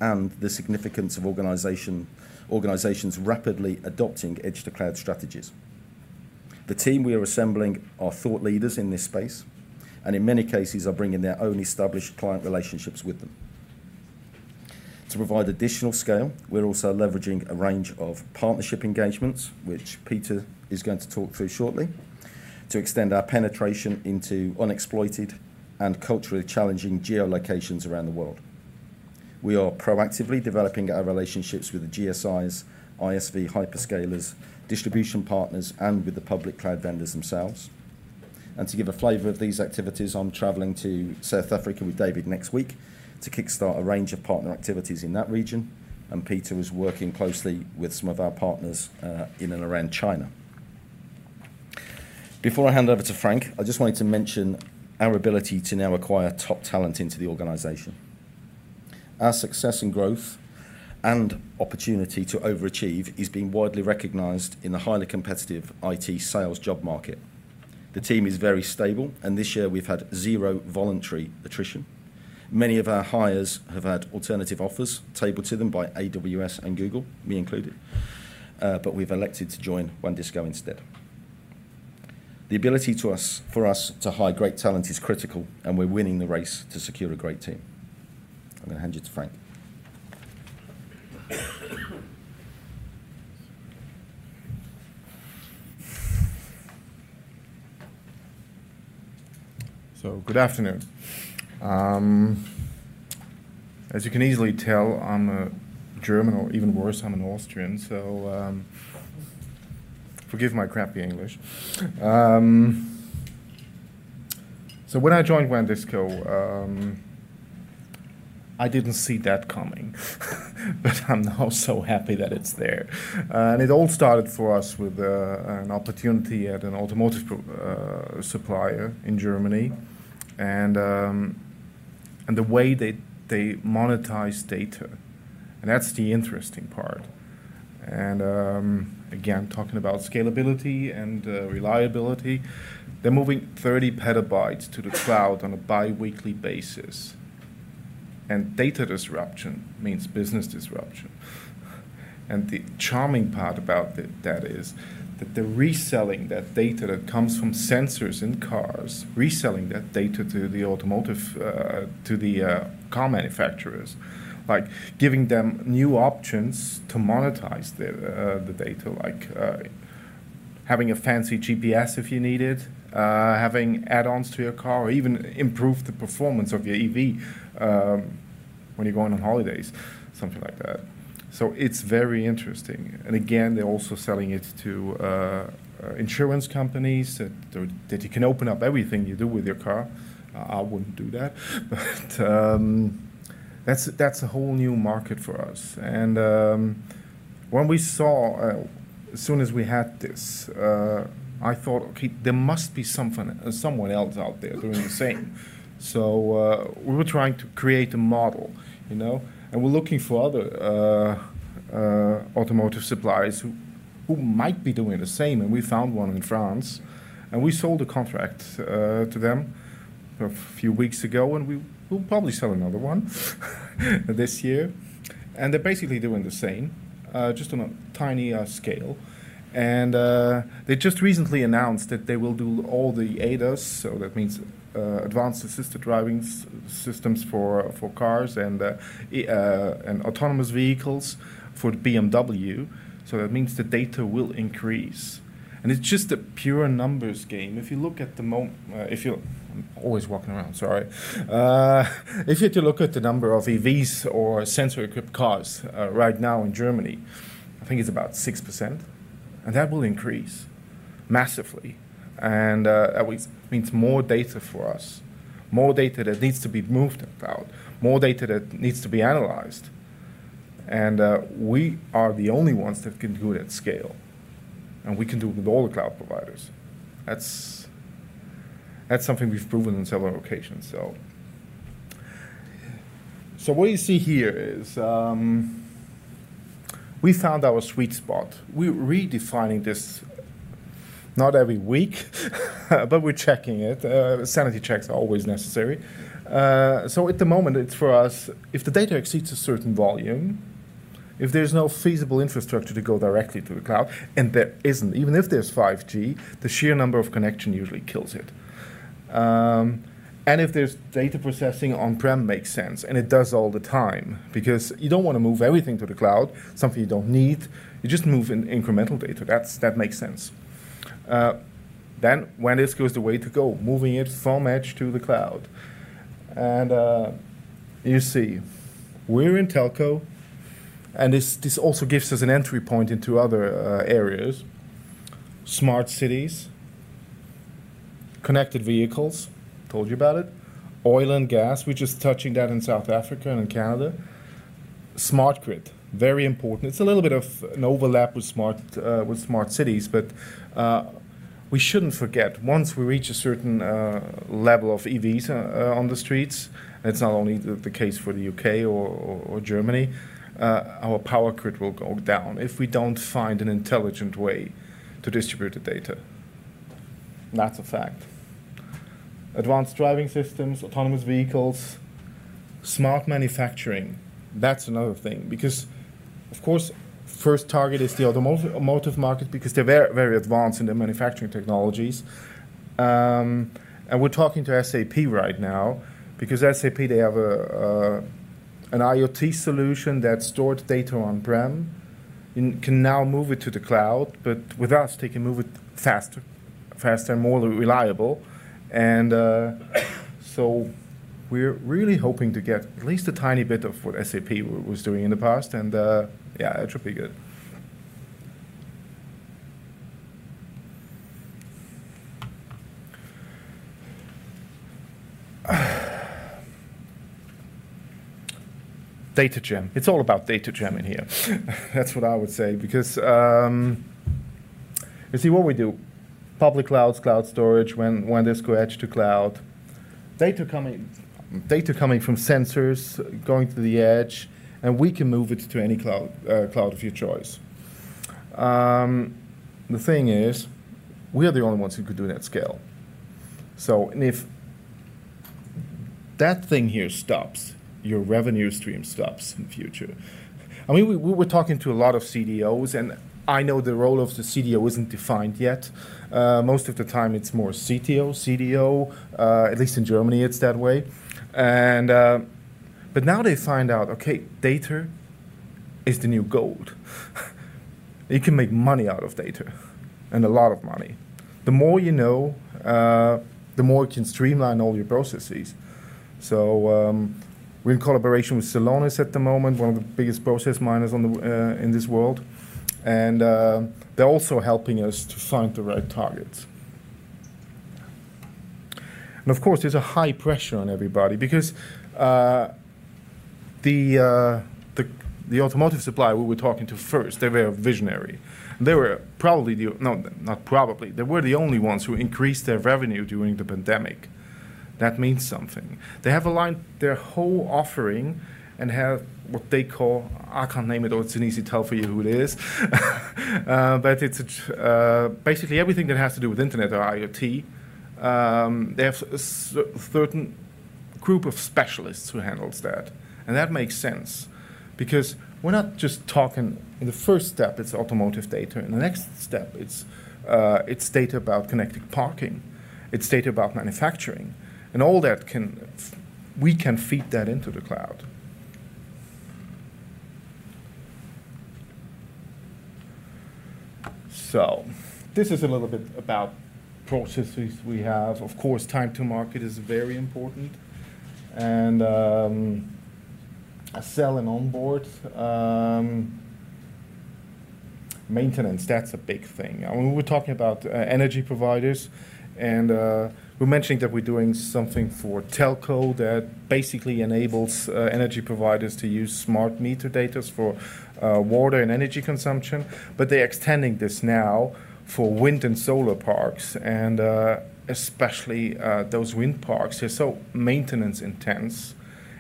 and the significance of organizations rapidly adopting edge-to-cloud strategies. The team we are assembling are thought leaders in this space, and in many cases are bringing their own established client relationships with them. To provide additional scale, we're also leveraging a range of partnership engagements, which Peter is going to talk through shortly to extend our penetration into unexploited and culturally challenging geolocations around the world. We are proactively developing our relationships with the GSIs, ISV hyperscalers, distribution partners, and with the public cloud vendors themselves. To give a flavor of these activities, I'm traveling to South Africa with David next week to kickstart a range of partner activities in that region, and Peter is working closely with some of our partners, in and around China. Before I hand over to Frank, I just wanted to mention our ability to now acquire top talent into the organization. Our success and growth and opportunity to overachieve is being widely recognized in the highly competitive IT sales job market. The team is very stable and this year we've had zero voluntary attrition. Many of our hires have had alternative offers tabled to them by AWS and Google, me included, but we've elected to join WANdisco instead. The ability for us to hire great talent is critical, and we're winning the race to secure a great team. I'm going to hand you to Frank. Good afternoon. As you can easily tell, I'm a German, or even worse, I'm an Austrian, so forgive my crappy English. When I joined WANdisco, I didn't see that coming but I'm now so happy that it's there. It all started for us with an opportunity at an automotive supplier in Germany, and the way they monetize data, and that's the interesting part. Again, talking about scalability and reliability, they're moving 30 PB to the cloud on a biweekly basis, and data disruption means business disruption. The charming part about that is that they're reselling that data that comes from sensors in cars, reselling that data to the automotive, to the car manufacturers, like giving them new options to monetize the data, like having a fancy GPS if you need it, having add-ons to your car, or even improve the performance of your EV, when you're going on holidays, something like that. It's very interesting. Again, they're also selling it to insurance companies that you can open up everything you do with your car. I wouldn't do that. That's a whole new market for us. When we saw, as soon as we had this, I thought, "Okay, there must be something, someone else out there doing the same." We were trying to create a model, you know, and we're looking for other automotive suppliers who might be doing the same, and we found one in France, and we sold a contract to them a few weeks ago, and we will probably sell another one this year. They're basically doing the same, just on a tinier scale. They just recently announced that they will do all the ADAS, so that means advanced driver assistance systems for cars and autonomous vehicles for BMW. That means the data will increase. It's just a pure numbers game. If you look at the more, if you... I'm always walking around, sorry. If you look at the number of EVs or sensor-equipped cars, right now in Germany, I think it's about 6%, and that will increase massively. That means more data for us, more data that needs to be moved to the cloud, more data that needs to be analyzed. We are the only ones that can do it at scale, and we can do it with all the cloud providers. That's something we've proven on several occasions. What you see here is, we found our sweet spot. We're redefining this not every week, but we're checking it. Sanity checks are always necessary. At the moment, it's for us, if the data exceeds a certain volume, if there's no feasible infrastructure to go directly to the cloud, and there isn't. Even if there's 5G, the sheer number of connections usually kills it. If there's data processing on-prem, it makes sense, and it does all the time because you don't wanna move everything to the cloud, something you don't need. You just move in incremental data. That makes sense. WANdisco is the way to go, moving it from edge to the cloud. You see we're in telco, and this also gives us an entry point into other areas. Smart cities, connected vehicles, told you about it. Oil and gas, we're just touching that in South Africa and in Canada. Smart grid, very important. It's a little bit of an overlap with smart cities, but we shouldn't forget, once we reach a certain level of EVs on the streets, and it's not only the case for the U.K. or Germany, our power grid will go down if we don't find an intelligent way to distribute the data. That's a fact. Advanced driving systems, autonomous vehicles, smart manufacturing, that's another thing because, of course, first target is the automotive market because they're very advanced in their manufacturing technologies. We're talking to SAP right now because SAP, they have an IoT solution that stores data on-prem and can now move it to the cloud. But with us, they can move it faster and more reliable. We're really hoping to get at least a tiny bit of what SAP was doing in the past, and yeah, it should be good. Data gem. It's all about data gem in here. That's what I would say because you see what we do, public clouds, cloud storage, WAN, WANdisco Edge to Cloud, data coming from sensors going to the edge, and we can move it to any cloud of your choice. The thing is, we are the only ones who could do it at scale. If that thing here stops, your revenue stream stops in future. I mean, we were talking to a lot of CDOs, and I know the role of the CDO isn't defined yet. Most of the time it's more CTO, CDO. At least in Germany it's that way. Now they find out, okay, data is the new gold. You can make money out of data, and a lot of money. The more you know, the more you can streamline all your processes. We're in collaboration with Celonis at the moment, one of the biggest process miners in this world. They're also helping us to find the right targets. Of course, there's a high pressure on everybody because the automotive supplier we were talking to first, they were visionary. They were the only ones who increased their revenue during the pandemic. That means something. They have aligned their whole offering and have what they call, I can't name it or it's an easy tell for you who it is. It's basically everything that has to do with internet or IoT. They have certain group of specialists who handles that, and that makes sense because we're not just talking in the first step. It's automotive data. In the next step it's data about connected parking. It's data about manufacturing, and all that we can feed that into the cloud. This is a little bit about processes we have. Of course, time to market is very important and sell and onboard. Maintenance, that's a big thing. When we're talking about energy providers and we're mentioning that we're doing something for telco that basically enables energy providers to use smart meter data for water and energy consumption. They're extending this now for wind and solar parks and, especially, those wind parks. They're so maintenance intense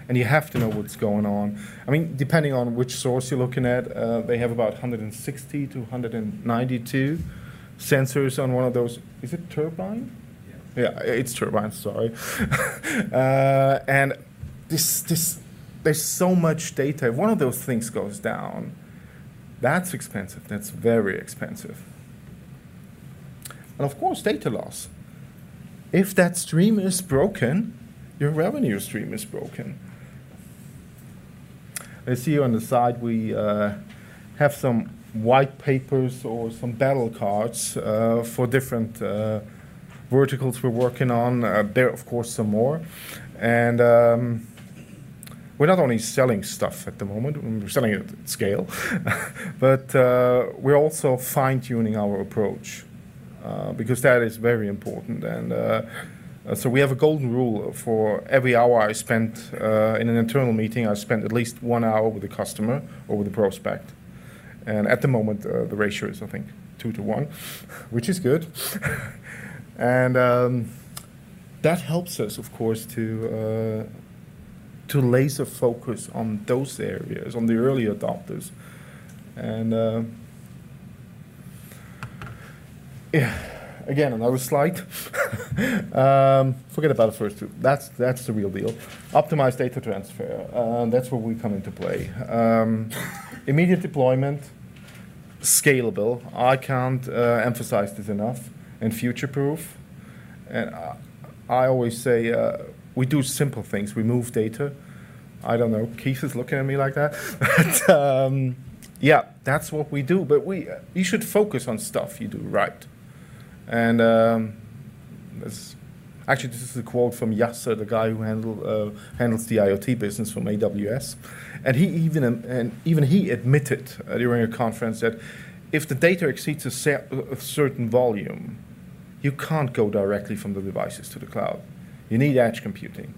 and you have to know what's going on. I mean, depending on which source you're looking at, they have about 160-192 sensors on one of those. Is it turbine? Yeah. Yeah. It's turbine, sorry. And this, there's so much data. One of those things goes down, that's expensive. That's very expensive. Of course, data loss. If that stream is broken, your revenue stream is broken. I see on the side we have some white papers or some battle cards for different verticals we're working on. There are of course some more. We're not only selling stuff at the moment, we're selling it at scale, but we're also fine-tuning our approach because that is very important. We have a golden rule. For every hour I spend in an internal meeting, I spend at least one hour with a customer or with a prospect. At the moment, the ratio is I think two to one, which is good. That helps us, of course, to laser focus on those areas, on the early adopters. Yeah. Again, another slide. Forget about the first two. That's the real deal. Optimized data transfer, and that's where we come into play. Immediate deployment. Scalable, I can't emphasize this enough, and future-proof. I always say we do simple things. We move data. I don't know. Keith is looking at me like that. Yeah, that's what we do. You should focus on stuff you do right. Actually, this is a quote from Yasser, the guy who handles the IoT business from AWS. Even he admitted during a conference that if the data exceeds a certain volume, you can't go directly from the devices to the cloud. You need edge computing.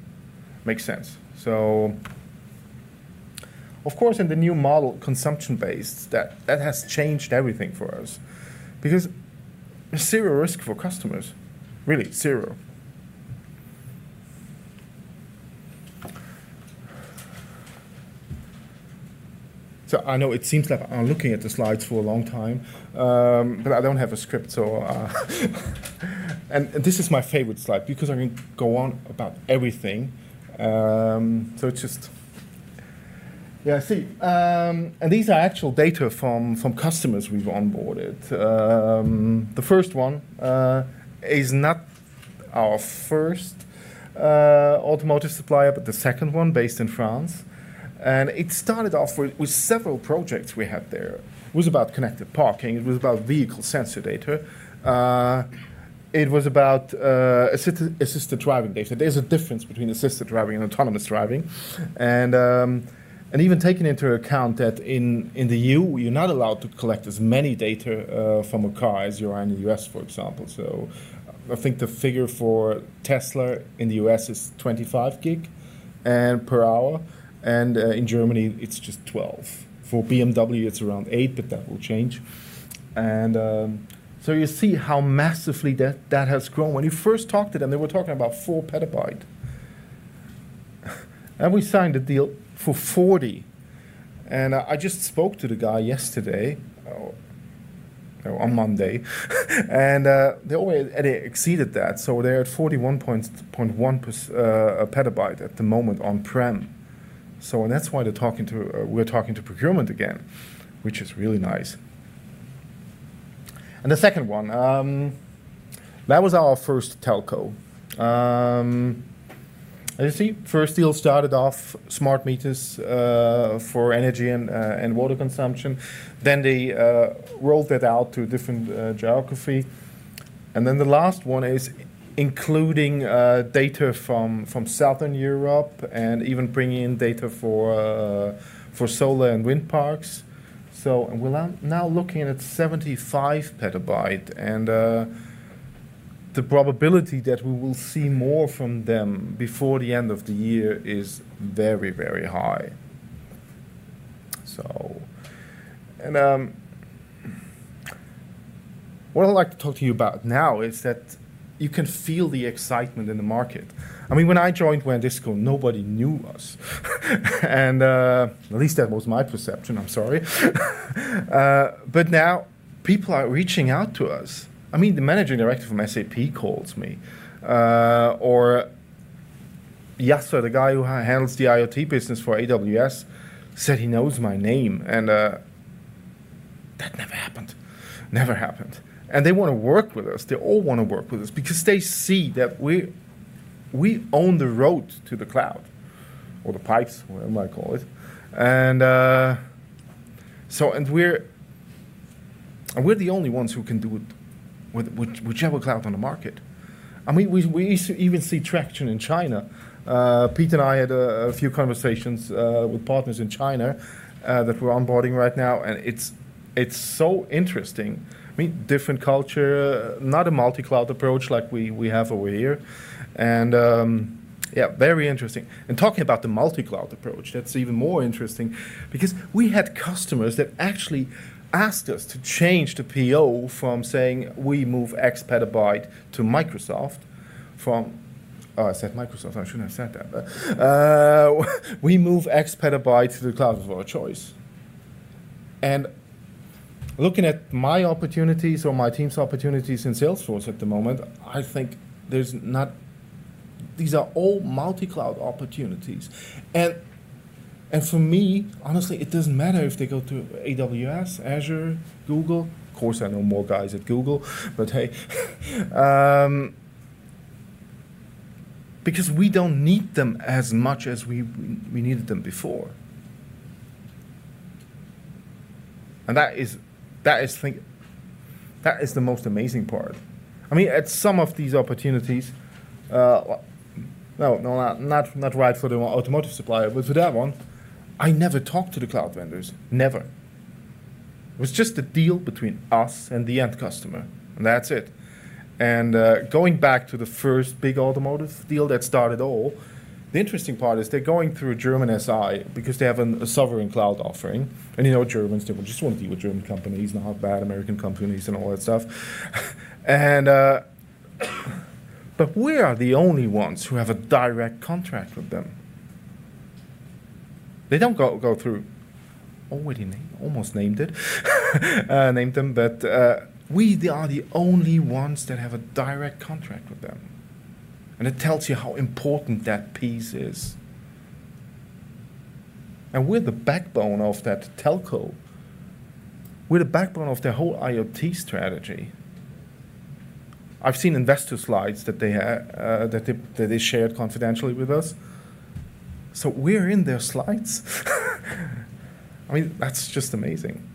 Makes sense. Of course, in the new model, consumption-based, that has changed everything for us because there's zero risk for customers. Really, zero. I know it seems like I'm looking at the slides for a long time, but I don't have a script, so this is my favorite slide because I can go on about everything. So just yeah, see. And these are actual data from customers we've onboarded. The first one is not our first automotive supplier, but the second one based in France. It started off with several projects we had there. It was about connected parking. It was about vehicle sensor data. It was about assisted driving data. There's a difference between assisted driving and autonomous driving. Even taking into account that in the EU, you're not allowed to collect as many data from a car as you are in the US, for example. I think the figure for Tesla in the US is 25 gig per hour, and in Germany, it's just 12. For BMW, it's around eight, but that will change. You see how massively that has grown. When we first talked to them, they were talking about four petabyte, and we signed a deal for 40. I just spoke to the guy yesterday, or on Monday, and they already exceeded that, so they're at 41.1 petabyte at the moment on-prem. That's why we're talking to procurement again, which is really nice. The second one, that was our first telco. As you see, first deal started off smart meters for energy and water consumption. Then they rolled that out to a different geography. The last one is including data from Southern Europe and even bringing in data for solar and wind parks. We're now looking at 75 PB, and the probability that we will see more from them before the end of the year is very, very high. What I'd like to talk to you about now is that you can feel the excitement in the market. I mean, when I joined WANdisco, nobody knew us. At least that was my perception, I'm sorry. But now people are reaching out to us. I mean, the managing director from SAP calls me. Or Yasser, the guy who handles the IoT business for AWS, said he knows my name, and that never happened. Never happened. They wanna work with us. They all wanna work with us because they see that we own the road to the cloud, or the pipes, whatever you might call it. We're the only ones who can do it with whichever cloud on the market. We even see traction in China. Pete and I had a few conversations with partners in China that we're onboarding right now, and it's so interesting. I mean, different culture, not a multi-cloud approach like we have over here. Yeah, very interesting. Talking about the multi-cloud approach, that's even more interesting because we had customers that actually asked us to change the PO from saying we move X petabyte to Microsoft. Oh, I said Microsoft. I shouldn't have said that. But we move X petabyte to the cloud of our choice. Looking at my opportunities or my team's opportunities in Salesforce at the moment, I think there's not. These are all multi-cloud opportunities. For me, honestly, it doesn't matter if they go to AWS, Azure, Google. Of course, I know more guys at Google, but hey. Because we don't need them as much as we needed them before. That is the most amazing part. I mean, at some of these opportunities, no, not right for the automotive supplier, but for that one, I never talked to the cloud vendors. Never. It was just a deal between us and the end customer, and that's it. Going back to the first big automotive deal that started it all, the interesting part is they're going through a German SI because they have a sovereign cloud offering. You know Germans, they would just wanna deal with German companies and how bad American companies and all that stuff. We are the only ones who have a direct contract with them. They don't go through. Almost named it. Named them. We are the only ones that have a direct contract with them, and it tells you how important that piece is. We're the backbone of that telco. We're the backbone of their whole IoT strategy. I've seen investor slides that they shared confidentially with us. We're in their slides. I mean, that's just amazing.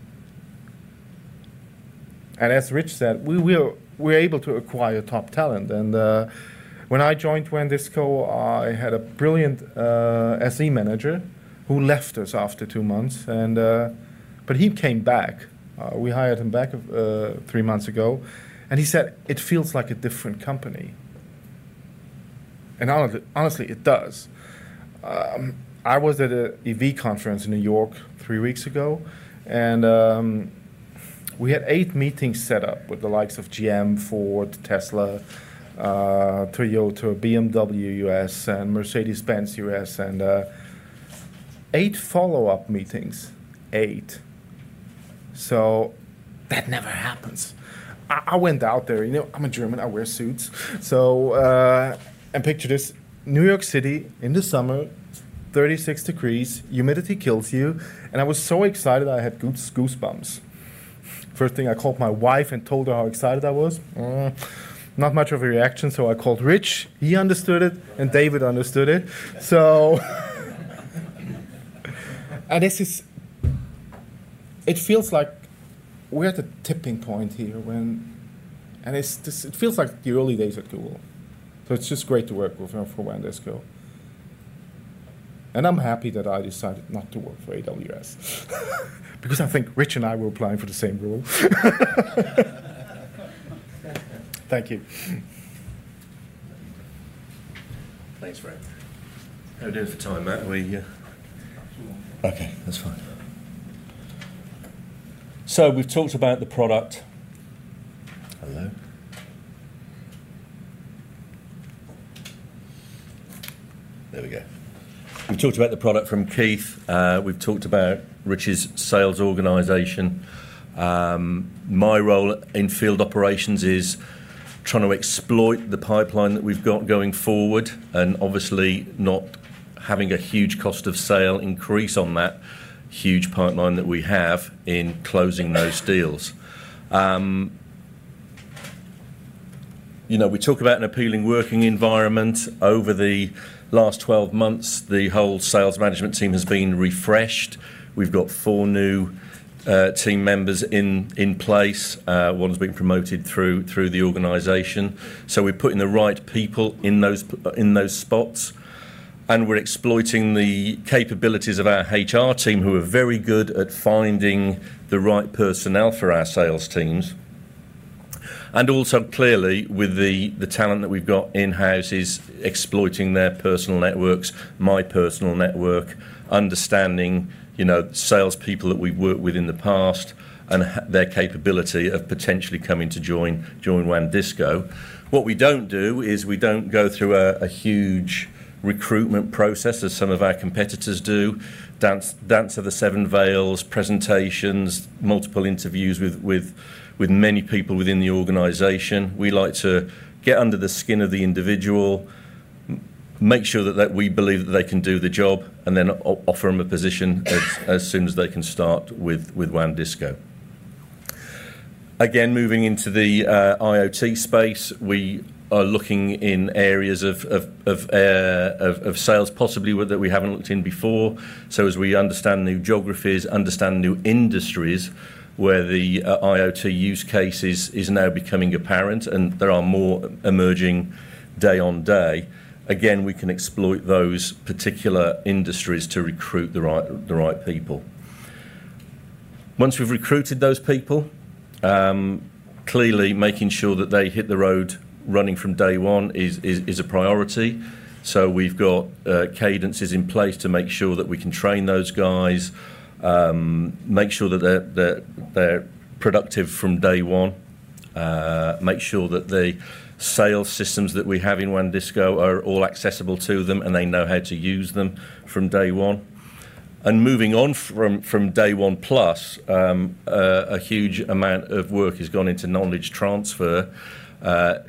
As Rich said, we're able to acquire top talent. When I joined WANdisco, I had a brilliant SE manager who left us after two months, and he came back. We hired him back about three months ago, and he said, "It feels like a different company." Honestly, it does. I was at an EV conference in New York 3 weeks ago, and we had 8 meetings set up with the likes of GM, Ford, Tesla, Toyota, BMW U.S. and Mercedes-Benz U.S., and 8 follow-up meetings. 8. That never happens. I went out there, you know. I'm a German. I wear suits. Picture this, New York City in the summer, 36 degrees, humidity kills you, and I was so excited I had goosebumps. First thing, I called my wife and told her how excited I was. Not much of a reaction, so I called Rich. He understood it, and David understood it. It feels like we're at a tipping point here. And it's this, it feels like the early days of Google. It's just great to work with for WANdisco. I'm happy that I decided not to work for AWS because I think Rich and I were applying for the same role. Thank you. Thanks, Frank. How we doing for time, Matt? Are we, Couple more minutes. Okay, that's fine. We've talked about the product. Hello. There we go. We've talked about the product from Keith. We've talked about Rich's sales organization. My role in field operations is trying to exploit the pipeline that we've got going forward, and obviously not having a huge cost of sale increase on that huge pipeline that we have in closing those deals. You know, we talk about an appealing working environment. Over the last 12 months, the whole sales management team has been refreshed. We've got four new team members in place. One's been promoted through the organization. We're putting the right people in those spots, and we're exploiting the capabilities of our HR team, who are very good at finding the right personnel for our sales teams. Also, clearly, with the talent that we've got in-house is exploiting their personal networks, my personal network, understanding, you know, salespeople that we've worked with in the past and their capability of potentially coming to join WANdisco. What we don't do is we don't go through a huge recruitment process as some of our competitors do. Dance of the seven veils, presentations, multiple interviews with many people within the organization. We like to get under the skin of the individual, make sure that we believe that they can do the job, and then offer them a position as soon as they can start with WANdisco. Again, moving into the IoT space, we are looking in areas of sales possibly that we haven't looked in before. As we understand new geographies, understand new industries where the IoT use cases is now becoming apparent, and there are more emerging day on day, again, we can exploit those particular industries to recruit the right people. Once we've recruited those people, clearly making sure that they hit the road running from day one is a priority. We've got cadences in place to make sure that we can train those guys, make sure that they're productive from day one, make sure that the sales systems that we have in WANdisco are all accessible to them, and they know how to use them from day one. Moving on from day one plus, a huge amount of work has gone into knowledge transfer,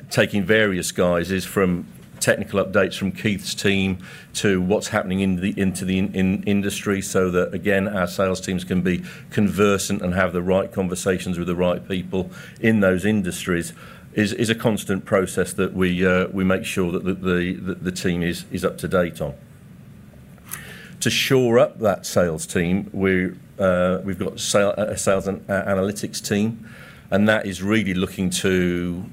taking various guises from technical updates from Keith's team to what's happening in the industry so that, again, our sales teams can be conversant and have the right conversations with the right people in those industries is a constant process that we make sure that the team is up to date on. To shore up that sales team, we've got a sales analytics team, and that is really looking to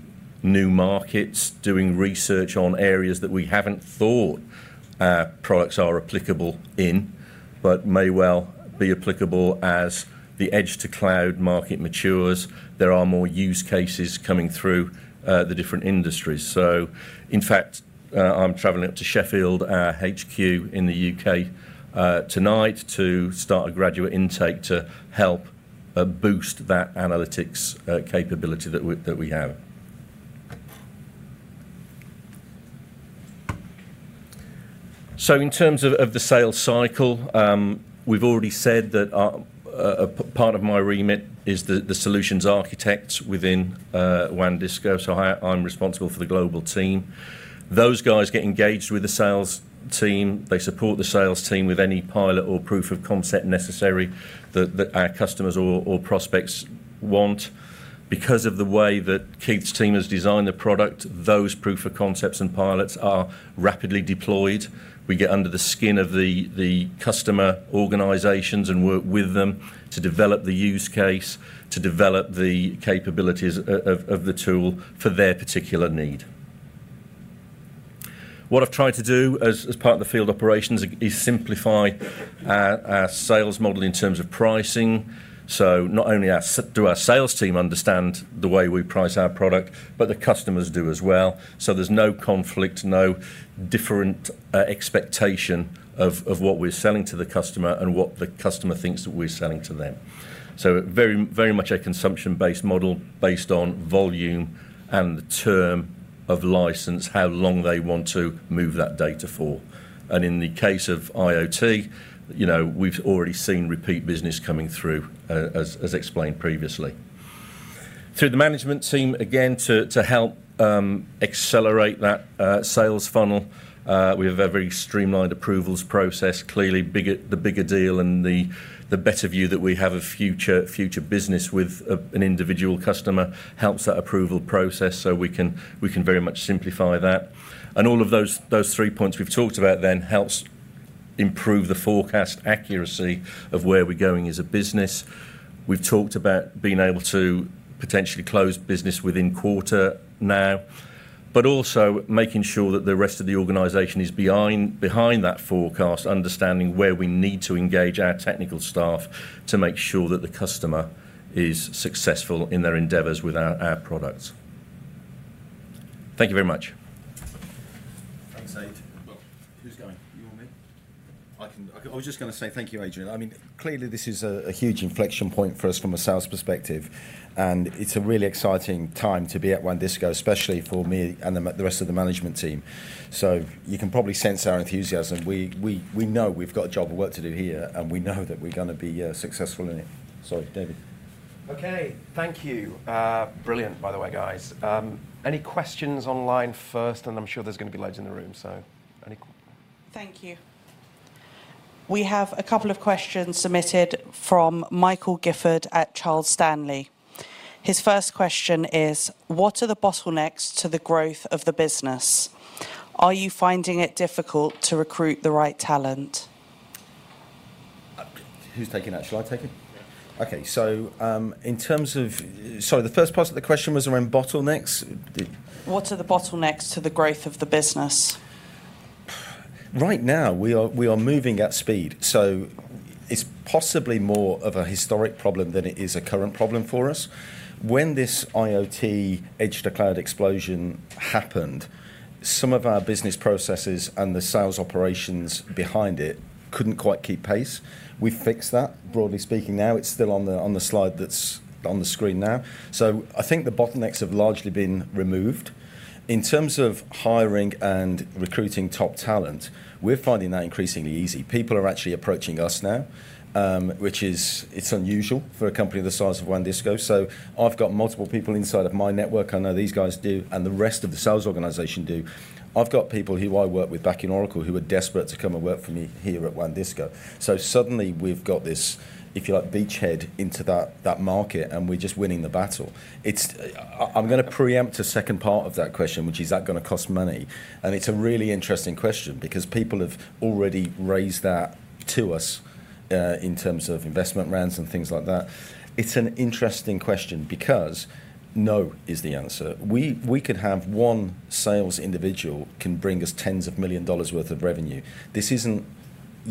new markets, doing research on areas that we haven't thought our products are applicable in but may well be applicable as the edge-to-cloud market matures, there are more use cases coming through the different industries. In fact, I'm traveling up to Sheffield, our HQ in the UK, tonight to start a graduate intake to help boost that analytics capability that we have. In terms of the sales cycle, we've already said that part of my remit is the solutions architects within WANdisco. I'm responsible for the global team. Those guys get engaged with the sales team. They support the sales team with any pilot or proof of concept necessary that our customers or prospects want. Because of the way that Keith's team has designed the product those proof of concepts and pilots are rapidly deployed. We get under the skin of the customer organizations and work with them to develop the use case, to develop the capabilities of the tool for their particular need. What I've tried to do as part of the field operations is simplify our sales model in terms of pricing, so not only do our sales team understand the way we price our product, but the customers do as well, so there's no conflict, no different expectation of what we're selling to the customer and what the customer thinks that we're selling to them. Very much a consumption-based model based on volume and the term of license, how long they want to move that data for. In the case of IoT, you know, we've already seen repeat business coming through as explained previously. Through the management team, again, to help accelerate that sales funnel, we have a very streamlined approvals process. Clearly bigger, the bigger deal and the better view that we have of future business with an individual customer helps that approval process, so we can very much simplify that. All of those three points we've talked about then helps improve the forecast accuracy of where we're going as a business. We've talked about being able to potentially close business within quarter now, but also making sure that the rest of the organization is behind that forecast, understanding where we need to engage our technical staff to make sure that the customer is successful in their endeavors with our products. Thank you very much. Thanks, Ade. Well, who's going? You or me? I was just gonna say thank you, Adrian. I mean, clearly this is a huge inflection point for us from a sales perspective, and it's a really exciting time to be at WANdisco, especially for me and the rest of the management team. You can probably sense our enthusiasm. We know we've got a job of work to do here, and we know that we're gonna be successful in it. Sorry, David. Okay. Thank you. Brilliant, by the way, guys. Any questions online first? I'm sure there's gonna be loads in the room, so any que- Thank you. We have a couple of questions submitted from Michael Gifford at Charles Stanley. His first question is, "What are the bottlenecks to the growth of the business? Are you finding it difficult to recruit the right talent? Who's taking that? Shall I take it? Yeah. Okay. The first part of the question was around bottlenecks? What are the bottlenecks to the growth of the business? Right now, we are moving at speed, so it's possibly more of a historic problem than it is a current problem for us. When this IoT edge-to-cloud explosion happened, some of our business processes and the sales operations behind it couldn't quite keep pace. We've fixed that, broadly speaking now. It's still on the slide that's on the screen now. I think the bottlenecks have largely been removed. In terms of hiring and recruiting top talent, we're finding that increasingly easy. People are actually approaching us now, which is it's unusual for a company the size of WANdisco. I've got multiple people inside of my network. I know these guys do, and the rest of the sales organization do. I've got people who I worked with back in Oracle who are desperate to come and work for me here at WANdisco. Suddenly we've got this, if you like, beachhead into that market, and we're just winning the battle. I'm gonna preempt a second part of that question, which is, "Is that gonna cost money?" It's a really interesting question because people have already raised that to us in terms of investment rounds and things like that. It's an interesting question because no is the answer. We could have one sales individual can bring us tens of millions of dollars worth of revenue. This isn't,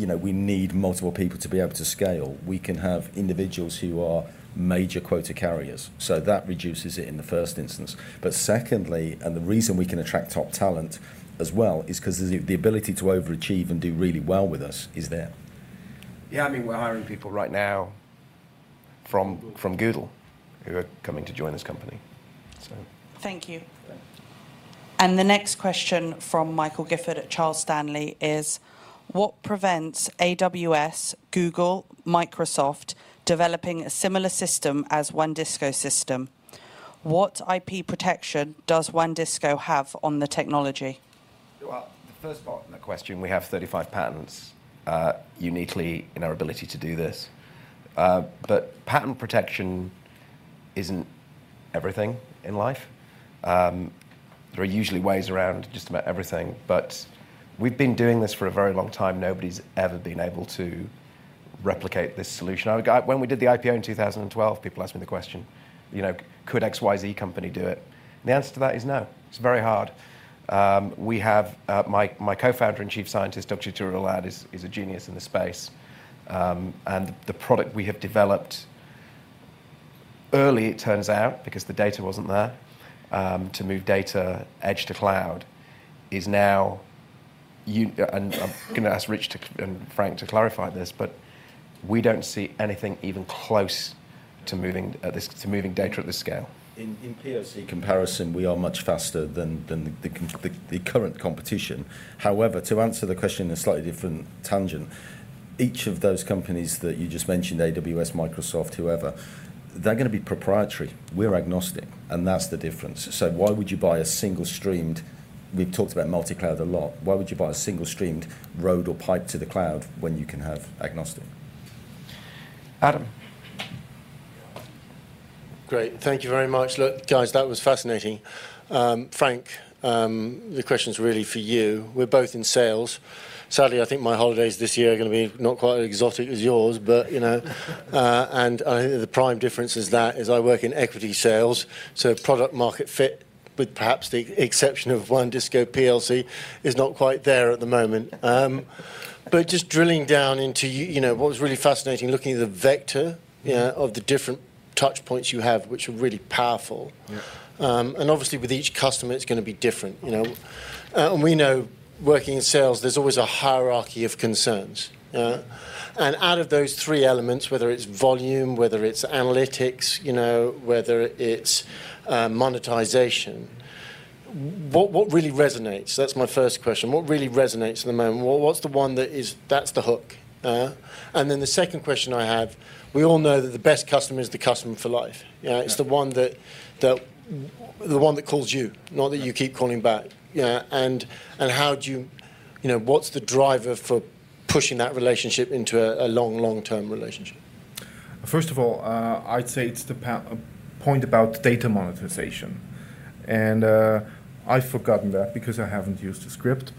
you know, we need multiple people to be able to scale. We can have individuals who are major quota carriers, so that reduces it in the first instance. Secondly, and the reason we can attract top talent as well, is 'cause the ability to overachieve and do really well with us is there. Yeah. I mean, we're hiring people right now from Google who are coming to join this company, so Thank you. The next question from Michael Gifford at Charles Stanley is, "What prevents AWS, Google, Microsoft developing a similar system as WANdisco system? What IP protection does WANdisco have on the technology? Well, the first part in the question, we have 35 patents uniquely in our ability to do this. But patent protection isn't everything in life. There are usually ways around just about everything. But we've been doing this for a very long time. Nobody's ever been able to replicate this solution. When we did the IPO in 2012, people asked me the question, you know, "Could XYZ company do it?" The answer to that is no. It's very hard. We have my co-founder and chief scientist, Dr. Yeturu Aahlad, is a genius in this space. The product we have developed early, it turns out, because the data wasn't there, to move data edge to cloud is now. I'm gonna ask Rich and Frank to clarify this, but we don't see anything even close to moving this to moving data at this scale. In POC comparison, we are much faster than the current competition. However, to answer the question in a slightly different tangent. Each of those companies that you just mentioned, AWS, Microsoft, whoever, they're going to be proprietary. We're agnostic, and that's the difference. We've talked about multi-cloud a lot. Why would you buy a single-streamed road or pipe to the cloud when you can have agnostic? Adam. Great. Thank you very much. Look, guys, that was fascinating. Frank, the question is really for you. We're both in sales. Sadly, I think my holidays this year are going to be not quite as exotic as yours, but, you know. The prime difference is that is I work in equity sales, so product-market fit, with perhaps the exception of WANdisco plc, is not quite there at the moment. Just drilling down into you know, what was really fascinating, looking at the vector, you know, of the different touch points you have, which are really powerful. Yeah. Obviously, with each customer, it's going to be different, you know. We know working in sales, there's always a hierarchy of concerns. Out of those three elements, whether it's volume, whether it's analytics, you know, whether it's monetization, what really resonates? That's my first question. What really resonates at the moment? What's the one that is, that's the hook? Then the second question I have, we all know that the best customer is the customer for life. You know. Yeah It's the one that the one that calls you, not that you keep calling back. You know, and how do you know, what's the driver for pushing that relationship into a long-term relationship? First of all, I'd say it's the point about data monetization, and I've forgotten that because I haven't used a script.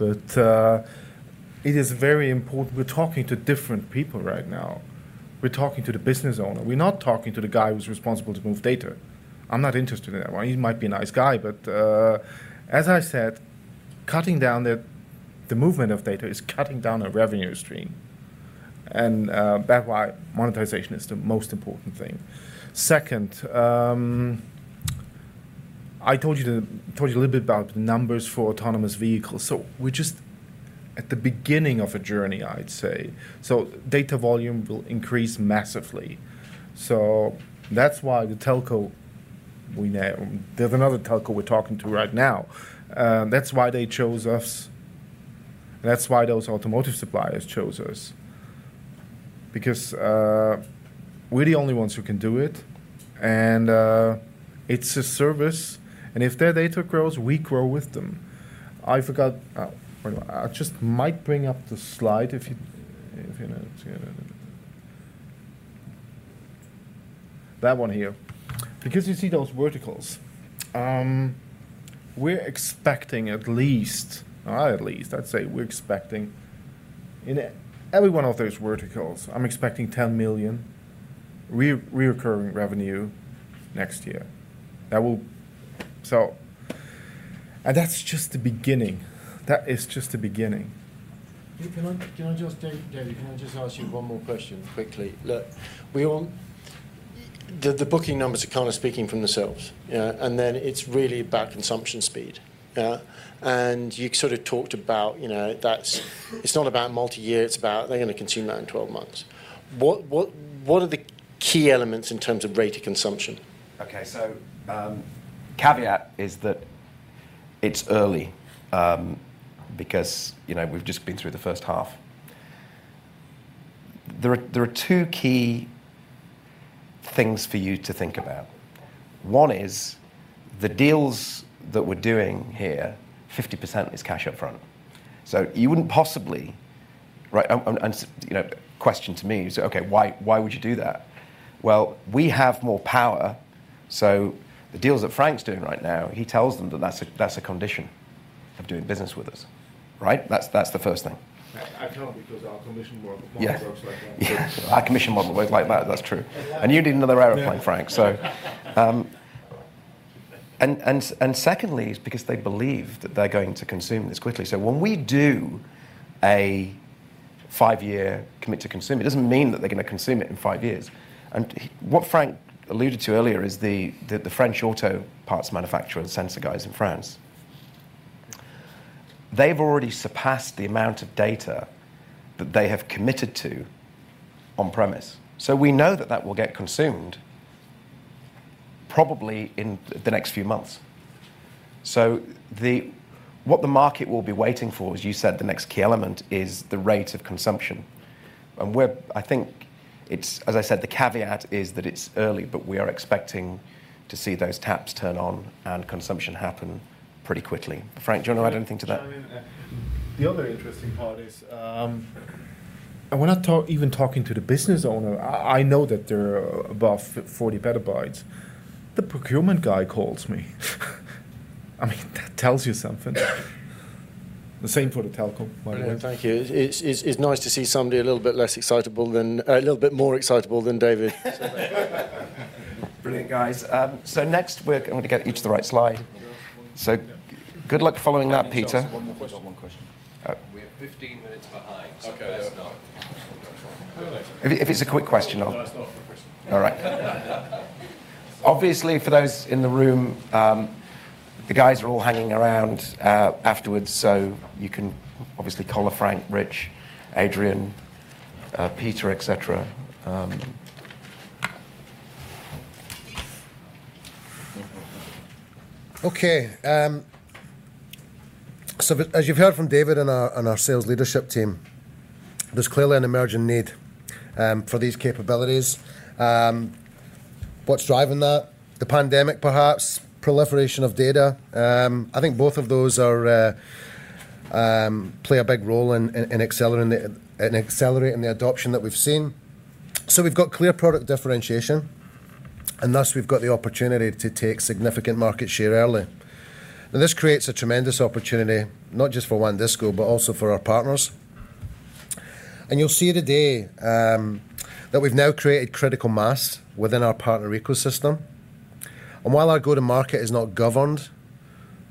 It is very important. We're talking to different people right now. We're talking to the business owner. We're not talking to the guy who's responsible to move data. I'm not interested in that one. He might be a nice guy, but as I said, cutting down the movement of data is cutting down a revenue stream, and that's why monetization is the most important thing. Second, I told you a little bit about numbers for autonomous vehicles. We're just at the beginning of a journey, I'd say. Data volume will increase massively. That's why the telco we know. There's another telco we're talking to right now. That's why they chose us and that's why those automotive suppliers chose us. Because we're the only ones who can do it and it's a service, and if their data grows we grow with them. I forgot, or I just might bring up the slide if you. That one here. Because you see those verticals, we're expecting at least, I'd say we're expecting in every one of those verticals, I'm expecting 10 million recurring revenue next year. That will. That's just the beginning. That is just the beginning. Can I just, David, can I just ask you one more question quickly? Look, the booking numbers are kind of speaking for themselves. You know, it's really about consumption speed. You sort of talked about, you know, that's, it's not about multi-year, it's about they're going to consume that in 12 months. What are the key elements in terms of rate of consumption? Caveat is that it's early, because, you know, we've just been through the first half. There are two key things for you to think about. One is the deals that we're doing here, 50% is cash up front. You wouldn't possibly. Right, and you know, question to me is, okay, why would you do that? Well, we have more power, so the deals that Frank's doing right now, he tells them that that's a condition of doing business with us, right? That's the first thing. I can't because our commission model- Yes works like that. Yes. Our commission model works like that. That's true. You need another airplane, Frank. Secondly, it's because they believe that they're going to consume this quickly. When we do a five-year commit to consume, it doesn't mean that they're going to consume it in five years. What Frank alluded to earlier is the French auto parts manufacturer the sensor guys in France. They've already surpassed the amount of data that they have committed to on-premise. We know that that will get consumed probably in the next few months. What the market will be waiting for, as you said, the next key element, is the rate of consumption. I think it's, as I said, the caveat is that it's early, but we are expecting to see those taps turn on and consumption happen pretty quickly. Frank, do you want to add anything to that? The other interesting part is, we're not even talking to the business owner. I know that they're above 40 PB. The procurement guy calls me. I mean, that tells you something. The same for the telco by the way. Thank you. It's nice to see somebody a little bit more excitable than David. Brilliant, guys. Next we're going to get you to the right slide. Good luck following that, Peter. Can I just ask one more question? One more question. Uh- We're 15 minutes behind. Okay. Let's not. Really? If it's a quick question, I'll- No, it's not a quick question. All right. Obviously, for those in the room, the guys are all hanging around afterwards, so you can obviously call on Frank, Rich, Adrian, Peter, et cetera. Okay. As you've heard from David and our sales leadership team, there's clearly an emerging need for these capabilities. What's driving that? The pandemic perhaps, proliferation of data. I think both of those are to play a big role in accelerating the adoption that we've seen. We've got clear product differentiation, and thus we've got the opportunity to take significant market share early. Now, this creates a tremendous opportunity not just for WANdisco, but also for our partners. You'll see today that we've now created critical mass within our partner ecosystem. While our go-to-market is not governed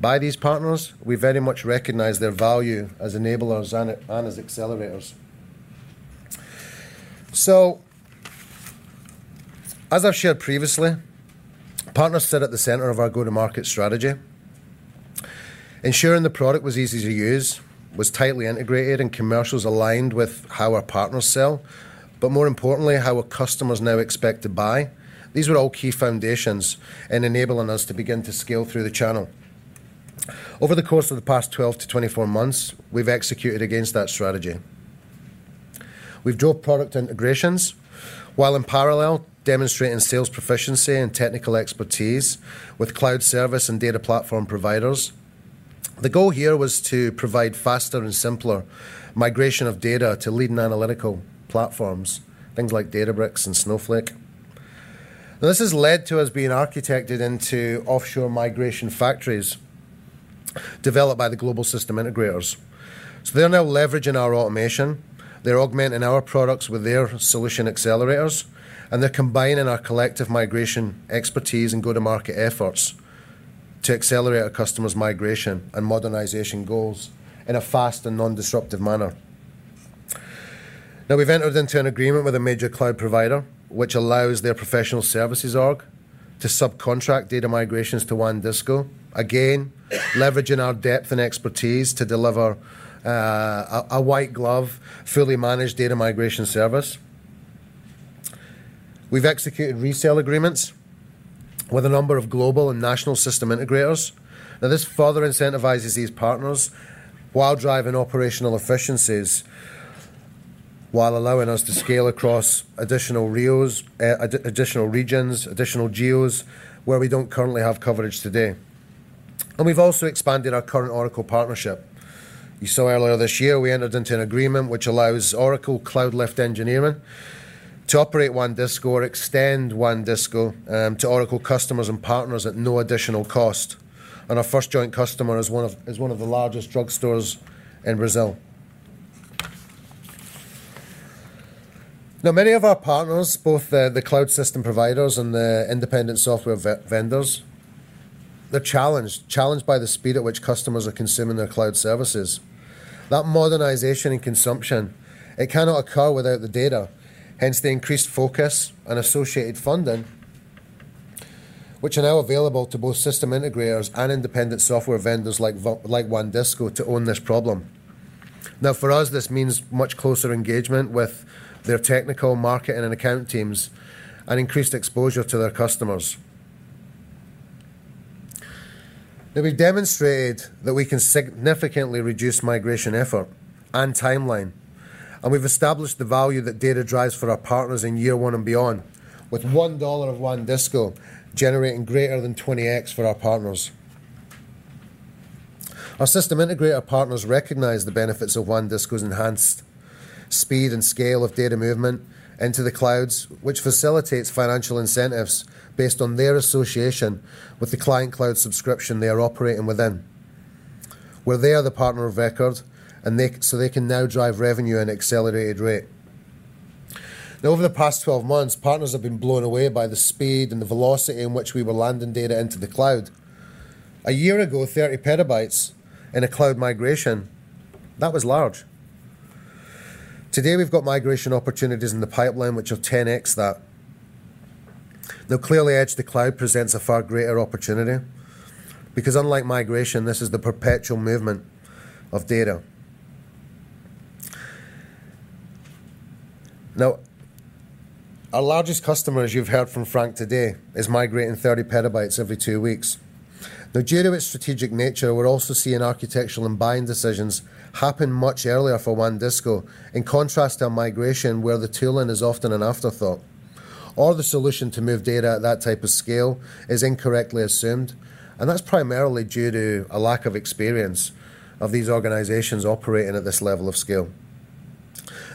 by these partners, we very much recognize their value as enablers and as accelerators. As I've shared previously, partners sit at the center of our go-to-market strategy. Ensuring the product was easy to use, was tightly integrated, and commercials aligned with how our partners sell, but more importantly, how our customers now expect to buy. These were all key foundations in enabling us to begin to scale through the channel. Over the course of the past 12-24 months, we've executed against that strategy. We've drove product integrations while in parallel demonstrating sales proficiency and technical expertise with cloud service and data platform providers. The goal here was to provide faster and simpler migration of data to leading analytical platforms, things like Databricks and Snowflake. Now, this has led to us being architected into offshore migration factories developed by the global system integrators. They're now leveraging our automation, they're augmenting our products with their solution accelerators, and they're combining our collective migration expertise and go-to-market efforts to accelerate our customers' migration and modernization goals in a fast and non-disruptive manner. We've entered into an agreement with a major cloud provider, which allows their professional services org. To subcontract data migrations to WANdisco, again, leveraging our depth and expertise to deliver a white glove, fully managed data migration service. We've executed resale agreements with a number of global and national system integrators. This further incentivizes these partners while driving operational efficiencies while allowing us to scale across additional geos, additional regions, additional geos, where we don't currently have coverage today. We've also expanded our current Oracle partnership. You saw earlier this year, we entered into an agreement which allows Oracle Cloud Lift engineering to operate WANdisco or extend WANdisco to Oracle customers and partners at no additional cost. Our first joint customer is one of the largest drugstores in Brazil. Now, many of our partners both the cloud system providers and the independent software vendors, they're challenged by the speed at which customers are consuming their cloud services. That modernization and consumption, it cannot occur without the data, hence the increased focus on associated funding, which are now available to both system integrators and independent software vendors like WANdisco to own this problem. Now, for us, this means much closer engagement with their technical marketing and account teams and increased exposure to their customers. We've demonstrated that we can significantly reduce migration effort and timeline, and we've established the value that data drives for our partners in year one and beyond, with one dollar of WANdisco generating greater than 20x for our partners. Our system integrator partners recognize the benefits of WANdisco's enhanced speed and scale of data movement into the clouds, which facilitates financial incentives based on their association with the client cloud subscription they are operating within, where they are the partner of record, so they can now drive revenue at an accelerated rate. Over the past 12 months, partners have been blown away by the speed and the velocity in which we were landing data into the cloud. A year ago, 30 petabytes in a cloud migration that was large. Today, we've got migration opportunities in the pipeline which are 10x that. Now, clearly edge to cloud presents a far greater opportunity because unlike migration, this is the perpetual movement of data. Now, our largest customer, as you've heard from Frank today, is migrating 30 petabytes every two weeks. Now, due to its strategic nature, we're also seeing architectural and buying decisions happen much earlier for WANdisco, in contrast to migration, where the tooling is often an afterthought, or the solution to move data at that type of scale is incorrectly assumed. That's primarily due to a lack of experience of these organizations operating at this level of scale.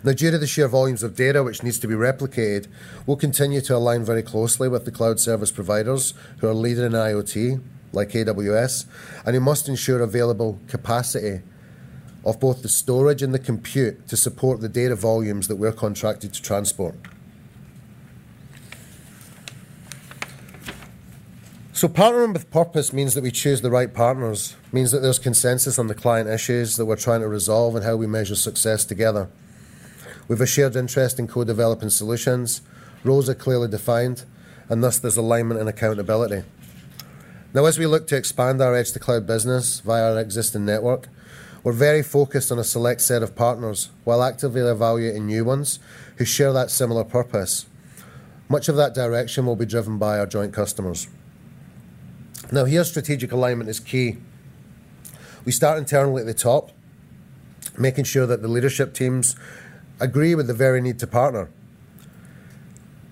Now, due to the sheer volumes of data which needs to be replicated, we'll continue to align very closely with the cloud service providers who are leading in IoT, like AWS, and we must ensure available capacity of both the storage and the compute to support the data volumes that we're contracted to transport. Partnering with purpose means that we choose the right partners, means that there's consensus on the client issues that we're trying to resolve and how we measure success together. We've a shared interest in co-developing solutions roles are clearly defined, and thus there's alignment and accountability. Now, as we look to expand our edge to cloud business via our existing network, we're very focused on a select set of partners while actively evaluating new ones who share that similar purpose. Much of that direction will be driven by our joint customers. Now, here strategic alignment is key. We start internally at the top, making sure that the leadership teams agree with the very need to partner.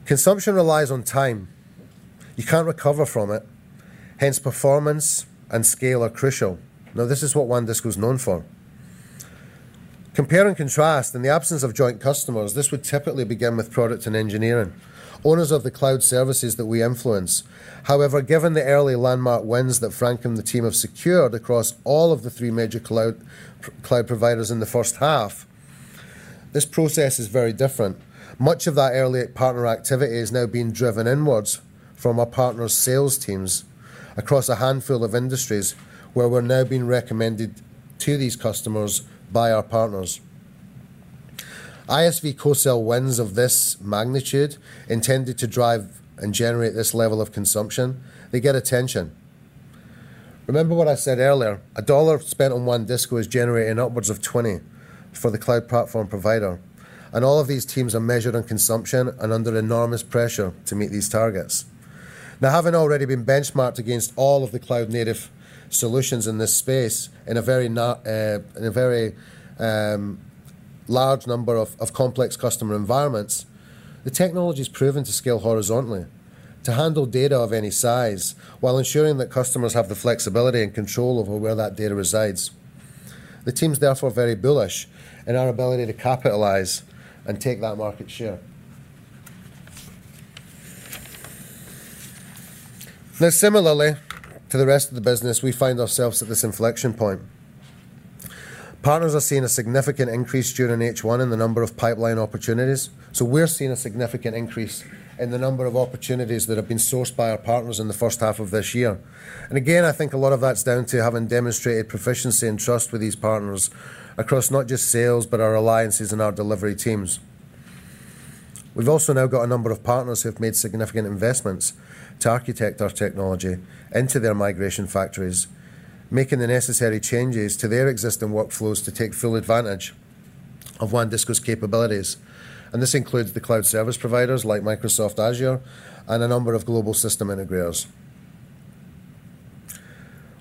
Consumption relies on time. You can't recover from it, hence performance and scale are crucial. Now, this is what WANdisco is known for. Compare and contrast, in the absence of joint customers, this would typically begin with product and engineering, owners of the cloud services that we influence. However, given the early landmark wins that Frank and the team have secured across all of the three major cloud providers in the first half this process is very different. Much of that early partner activity is now being driven inwards from our partners' sales teams across a handful of industries where we're now being recommended to these customers by our partners. ISV co-sell wins of this magnitude intended to drive and generate this level of consumption, they get attention. Remember what I said earlier, $1 spent on WANdisco is generating upwards of $20 for the cloud platform provider, and all of these teams are measured on consumption and under enormous pressure to meet these targets. Now, having already been benchmarked against all of the cloud-native solutions in this space in a very large number of complex customer environments, the technology's proven to scale horizontally, to handle data of any size, while ensuring that customers have the flexibility and control over where that data resides. The team's therefore very bullish in our ability to capitalize and take that market share. Now similarly to the rest of the business, we find ourselves at this inflection point. Partners are seeing a significant increase during H1 in the number of pipeline opportunities, so we're seeing a significant increase in the number of opportunities that have been sourced by our partners in the first half of this year. Again, I think a lot of that's down to having demonstrated proficiency and trust with these partners across not just sales but our alliances and our delivery teams. We've also now got a number of partners who have made significant investments to architect our technology into their migration factories, making the necessary changes to their existing workflows to take full advantage of WANdisco's capabilities, and this includes the cloud service providers like Microsoft Azure and a number of global system integrators.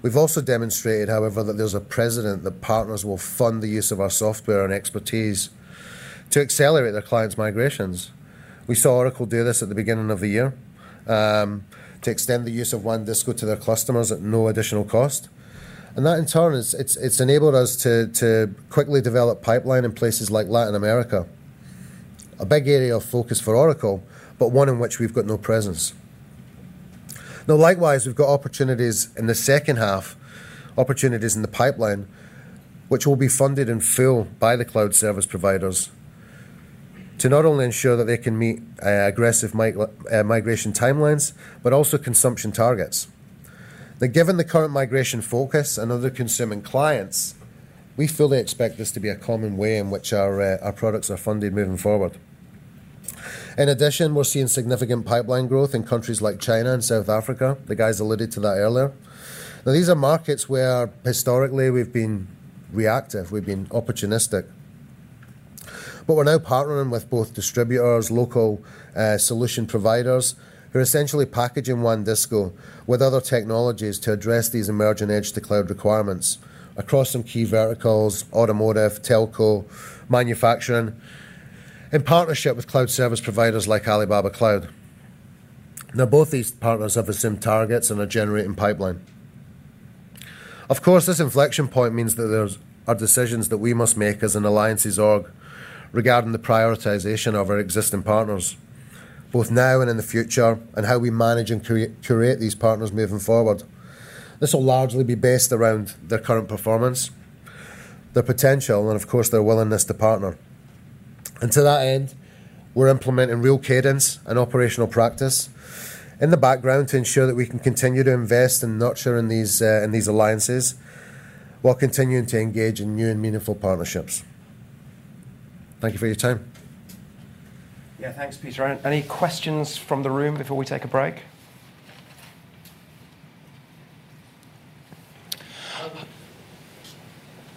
We've also demonstrated, however, that there's a precedent that partners will fund the use of our software and expertise to accelerate their clients' migrations. We saw Oracle do this at the beginning of the year to extend the use of WANdisco to their customers at no additional cost. That in turn has enabled us to quickly develop pipeline in places like Latin America, a big area of focus for Oracle, but one in which we've got no presence. Now likewise, we've got opportunities in the second half, opportunities in the pipeline, which will be funded in full by the cloud service providers to not only ensure that they can meet aggressive migration timelines, but also consumption targets. Now, given the current migration focus and other consuming clients, we fully expect this to be a common way in which our products are funded moving forward. In addition, we're seeing significant pipeline growth in countries like China and South Africa. The guys alluded to that earlier. Now, these are markets where historically we've been reactive, we've been opportunistic, but we're now partnering with both distributors, local solution providers who are essentially packaging WANdisco with other technologies to address these emerging edge-to-cloud requirements across some key verticals, automotive, telco, manufacturing, in partnership with cloud service providers like Alibaba Cloud. Now, both these partners have the same targets and are generating pipeline. Of course, this inflection point means that there are decisions that we must make as an alliances org regarding the prioritization of our existing partners, both now and in the future, and how we manage and curate these partners moving forward. This will largely be based around their current performance, their potential, and of course, their willingness to partner. To that end, we're implementing real cadence and operational practice in the background to ensure that we can continue to invest and nurture in these alliances while continuing to engage in new and meaningful partnerships. Thank you for your time. Yeah. Thanks, Peter. Any questions from the room before we take a break?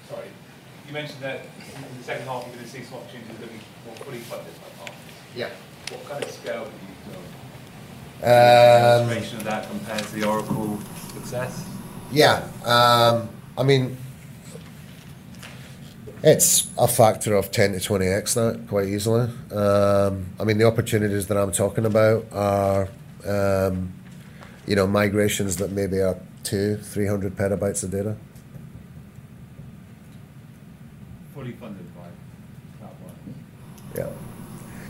Sorry. You mentioned that in the second half you're gonna see some opportunities that are being more fully funded by partners. Yeah. What kind of scale have you done? Um- An illustration of that compared to the Oracle success? Yeah. I mean, it's a factor of 10-20x now, quite easily. I mean, the opportunities that I'm talking about are, you know, migrations that may be up to 300 PB of data. Fully funded by that partner? Yeah.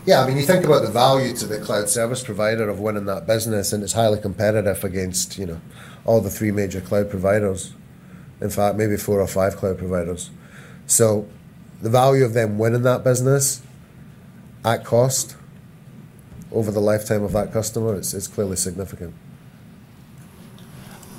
Yeah. I mean, you think about the value to the cloud service provider of winning that business, and it's highly competitive against, you know, all the three major cloud providers. In fact, maybe four or five cloud providers. The value of them winning that business at cost over the lifetime of that customer is clearly significant.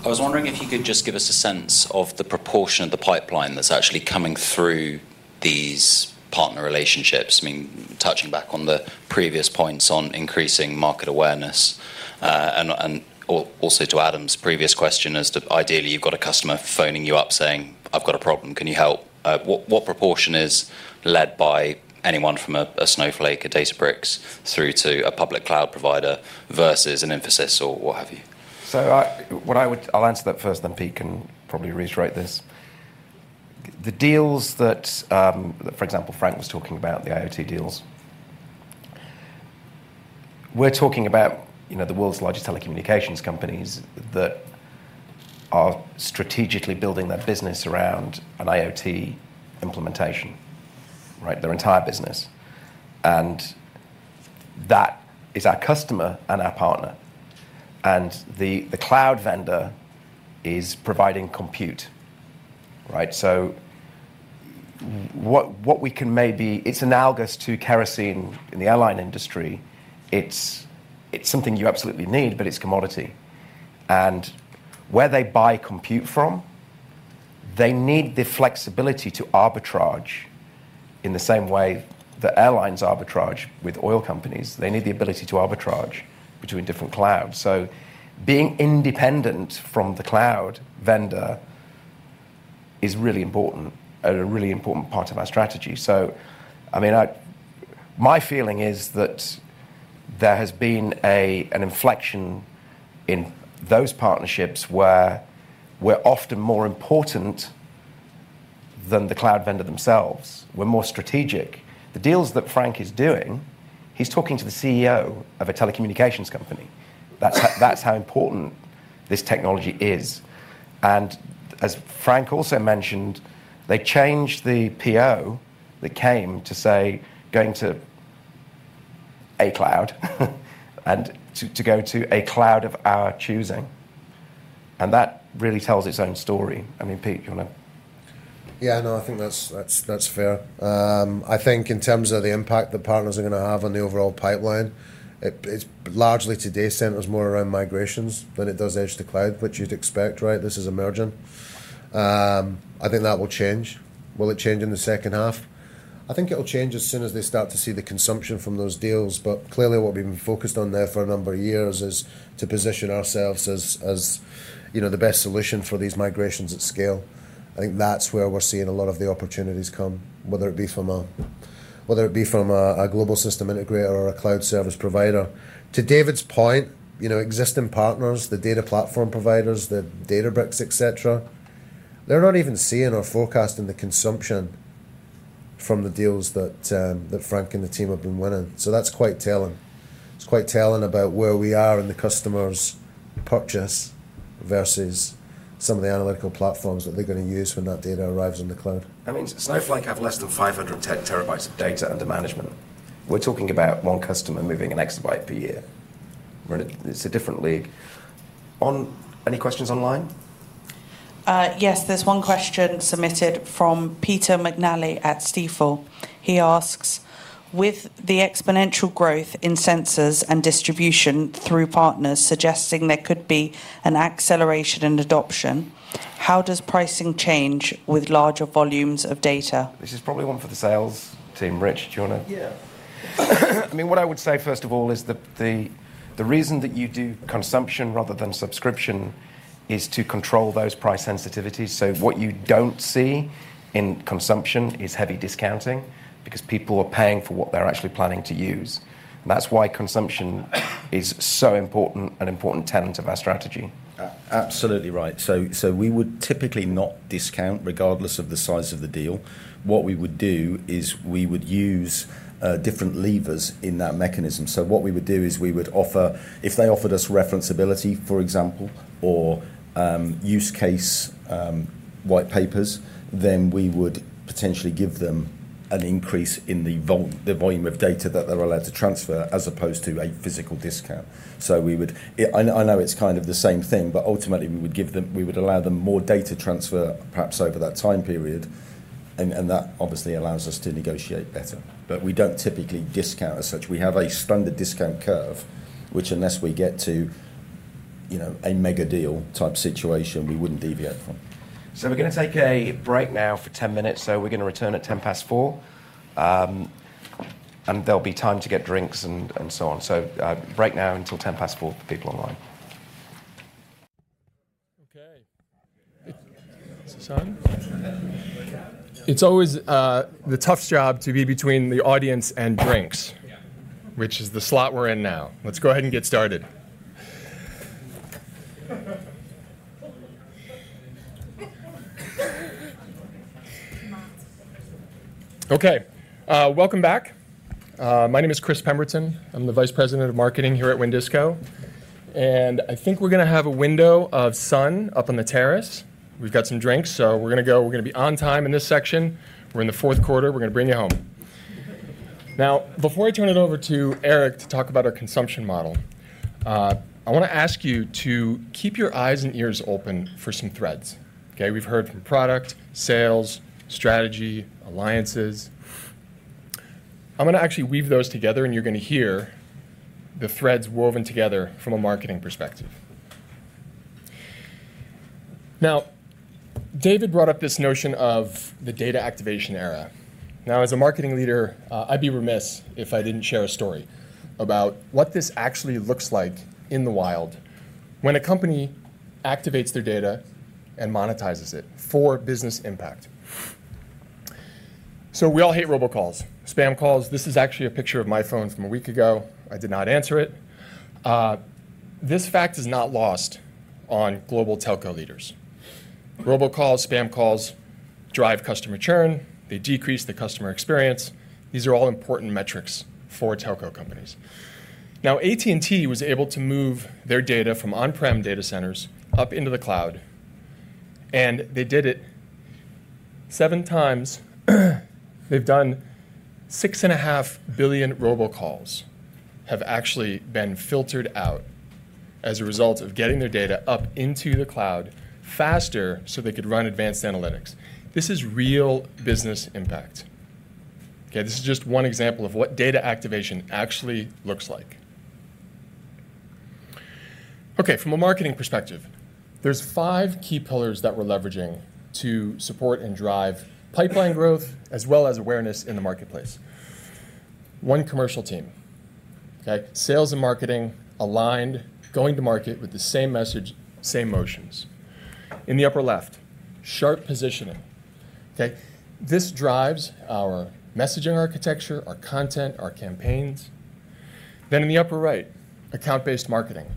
I was wondering if you could just give us a sense of the proportion of the pipeline that's actually coming through? These partner relationships, I mean, touching back on the previous points on increasing market awareness, and also to Adam's previous question as to ideally you've got a customer phoning you up saying, "I've got a problem. Can you help?" What proportion is led by anyone from a Snowflake, a Databricks through to a public cloud provider versus an infosys or what have you? I'll answer that first, then Pete can probably reiterate this. The deals that, for example, Frank was talking about, the IoT deals, we're talking about, you know, the world's largest telecommunications companies that are strategically building their business around an IoT implementation, right? Their entire business. That is our customer and our partner, and the cloud vendor is providing compute, right? What we can maybe... It's analogous to kerosene in the airline industry. It's something you absolutely need, but it's commodity. Where they buy compute from, they need the flexibility to arbitrage in the same way that airlines arbitrage with oil companies. They need the ability to arbitrage between different clouds. Being independent from the cloud vendor is really important and a really important part of our strategy. I mean. My feeling is that there has been an inflection in those partnerships where we're often more important than the cloud vendor themselves. We're more strategic. The deals that Frank is doing, he's talking to the CEO of a telecommunications company. That's how important this technology is. As Frank also mentioned, they changed the PO that came to say going to a cloud and to go to a cloud of our choosing, and that really tells its own story. I mean, Pete, do you wanna? Yeah. No, I think that's fair. I think in terms of the impact that partners are gonna have on the overall pipeline, it's largely today centered more around migrations than it does edge to cloud, which you'd expect, right? This is emerging. I think that will change. Will it change in the second half? I think it'll change as soon as they start to see the consumption from those deals. But clearly what we've been focused on there for a number of years is to position ourselves as you know the best solution for these migrations at scale. I think that's where we're seeing a lot of the opportunities come whether it be from a global system integrator or a cloud service provider. To David's point, you know, existing partners, the data platform providers, the Databricks, et cetera, they're not even seeing or forecasting the consumption from the deals that Frank and the team have been winning. That's quite telling. It's quite telling about where we are in the customer's purchase versus some of the analytical platforms that they're gonna use when that data arrives in the cloud. I mean, Snowflake have less than 500 TB of data under management. We're talking about one customer moving 1 EB per year, right? It's a different league. Any questions online? Yes. There's one question submitted from Peter McNally at Stifel. He asks, "With the exponential growth in sensors and distribution through partners suggesting there could be an acceleration in adoption, how does pricing change with larger volumes of data? This is probably one for the sales team. Rich, do you wanna? Yeah. I mean, what I would say, first of all, is that the reason that you do consumption rather than subscription is to control those price sensitivities. What you don't see in consumption is heavy discounting because people are paying for what they're actually planning to use. That's why consumption is so important, an important tenet of our strategy. Absolutely right. We would typically not discount regardless of the size of the deal. What we would do is we would use different levers in that mechanism. What we would do is we would offer if they offered us reference ability, for example, or use case white papers then we would potentially give them an increase in the volume of data that they're allowed to transfer as opposed to a physical discount. I know it's kind of the same thing, but ultimately we would allow them more data transfer perhaps over that time period, and that obviously allows us to negotiate better. We don't typically discount as such. We have a standard discount curve, which unless we get to, you know, a mega deal type situation, we wouldn't deviate from. We're gonna take a break now for 10 minutes. We're gonna return at 4:10 P.M. There'll be time to get drinks and so on. Break now until 4:10 P.M. for people online. Okay. Is this on? It's always the toughest job to be between the audience and drinks. Yeah. Which is the slot we're in now. Let's go ahead and get started. Okay. Welcome back. My name is Chris Pemberton. I'm the Vice President of Marketing here at WANdisco, and I think we're gonna have a window of sun up on the terrace. We've got some drinks, so we're gonna go. We're gonna be on time in this section. We're in the fourth quarter. We're gonna bring you home. Now, before I turn it over to Erik to talk about our consumption model, I wanna ask you to keep your eyes and ears open for some threads, okay? We've heard from product, sales, strategy, alliances. I'm gonna actually weave those together, and you're gonna hear the threads woven together from a marketing perspective. Now, David brought up this notion of the data activation era. Now, as a marketing leader, I'd be remiss if I didn't share a story about what this actually looks like in the wild when a company activates their data and monetizes it for business impact. We all hate robocalls, spam calls. This is actually a picture of my phone from a week ago. I did not answer it. This fact is not lost on global telco leaders. Robocalls, spam calls drive customer churn, they decrease the customer experience. These are all important metrics for telco companies. Now, AT&T was able to move their data from on-prem data centers up into the cloud, and they did it seven times. They've done 6.5 billion robocalls have actually been filtered out as a result of getting their data up into the cloud faster so they could run advanced analytics. This is real business impact. Okay? This is just one example of what data activation actually looks like. Okay, from a marketing perspective, there's five key pillars that we're leveraging to support and drive pipeline growth as well as awareness in the marketplace. One commercial team, okay? Sales and marketing aligned, going to market with the same message, same motions. In the upper left, sharp positioning. Okay? This drives our messaging architecture, our content, our campaigns. Then in the upper right, account-based marketing.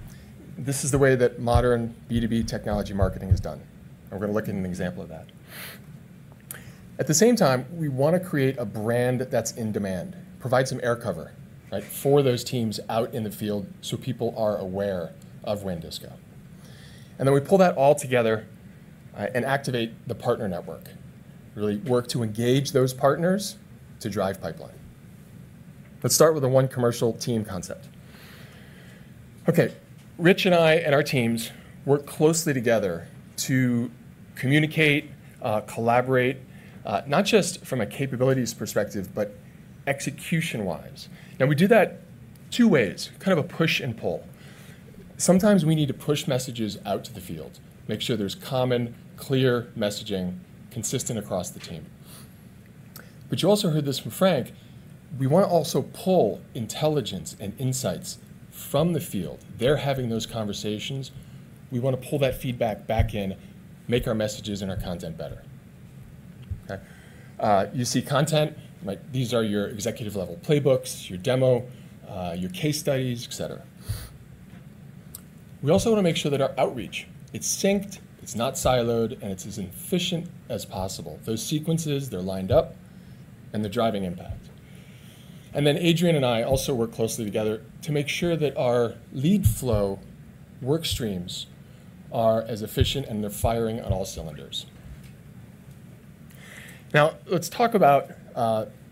This is the way that modern B2B technology marketing is done, and we're gonna look at an example of that. At the same time, we wanna create a brand that's in demand, provide some air cover, right, for those teams out in the field, so people are aware of WANdisco. Then we pull that all together and activate the partner network, really work to engage those partners to drive pipeline. Let's start with the one commercial team concept. Okay. Rich and I and our teams work closely together to communicate, collaborate, not just from a capabilities perspective, but execution-wise. Now, we do that two ways, kind of a push and pull. Sometimes we need to push messages out to the field, make sure there's common, clear messaging consistent across the team. But you also heard this from Frank. We wanna also pull intelligence and insights from the field. They're having those conversations. We wanna pull that feedback back in, make our messages and our content better. Okay? You see content, like these are your executive level playbooks, your demo, your case studies, et cetera. We also wanna make sure that our outreach, it's synced, it's not siloed, and it's as efficient as possible. Those sequences, they're lined up, and they're driving impact. Adrian and I also work closely together to make sure that our lead flow work streams are as efficient, and they're firing on all cylinders. Now, let's talk about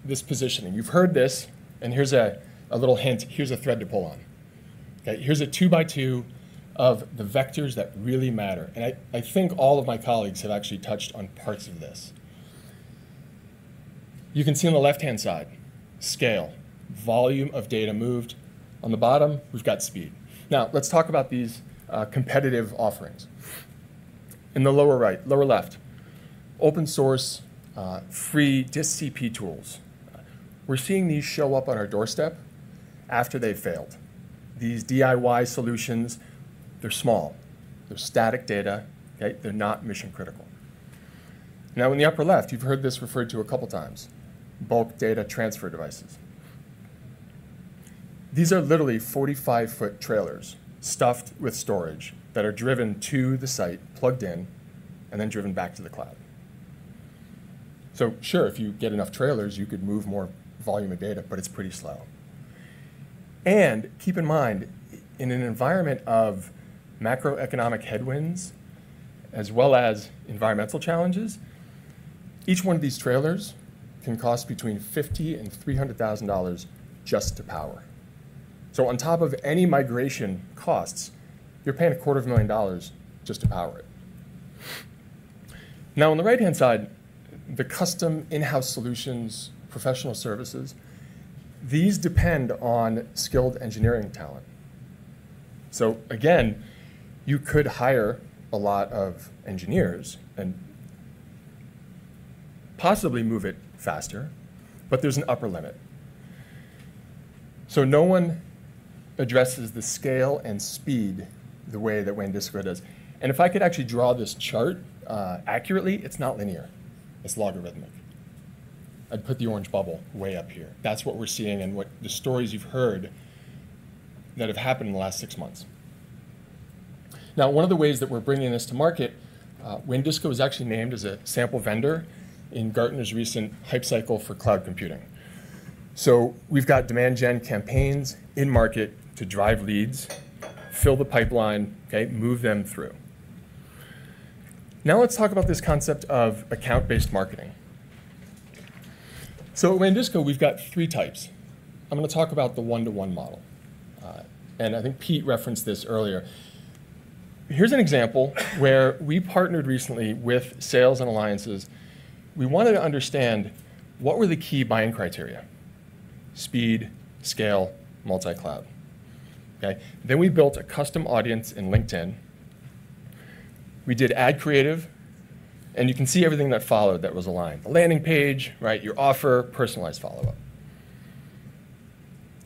this positioning. You've heard this, and here's a little hint. Here's a thread to pull on. Okay. Here's a two-by-two of the vectors that really matter, and I think all of my colleagues have actually touched on parts of this. You can see on the left-hand side, scale, volume of data moved. On the bottom, we've got speed. Now, let's talk about these competitive offerings. In the lower left, open source, free DistCp tools. We're seeing these show up on our doorstep after they've failed. These DIY solutions, they're small. They're static data, okay? They're not mission critical. Now, in the upper left, you've heard this referred to a couple times, bulk data transfer devices. These are literally 45-foot trailers stuffed with storage that are driven to the site, plugged in, and then driven back to the cloud. Sure, if you get enough trailers, you could move more volume of data, but it's pretty slow. Keep in mind, in an environment of macroeconomic headwinds as well as environmental challenges, each one of these trailers can cost between $50,000 and $300,000 just to power. On top of any migration costs, you're paying a quarter of a million dollars just to power it. Now, on the right-hand side, the custom in-house solutions, professional services, these depend on skilled engineering talent. Again, you could hire a lot of engineers and possibly move it faster, but there's an upper limit. No one addresses the scale and speed the way that WANdisco does. If I could actually draw this chart accurately, it's not linear. It's logarithmic. I'd put the orange bubble way up here. That's what we're seeing and what the stories you've heard that have happened in the last six months. One of the ways that we're bringing this to market, WANdisco was actually named as a sample vendor in Gartner's recent Hype Cycle for Cloud Computing. We've got demand gen campaigns in market to drive leads, fill the pipeline, okay, move them through. Let's talk about this concept of account-based marketing. At WANdisco, we've got three types. I'm gonna talk about the one-to-one model, and I think Pete referenced this earlier. Here's an example where we partnered recently with sales and alliances. We wanted to understand what were the key buying criteria. Speed, scale, multi-cloud. Okay? We built a custom audience in LinkedIn. We did ad creative, and you can see everything that followed that was aligned. The landing page, right? Your offer, personalized follow-up.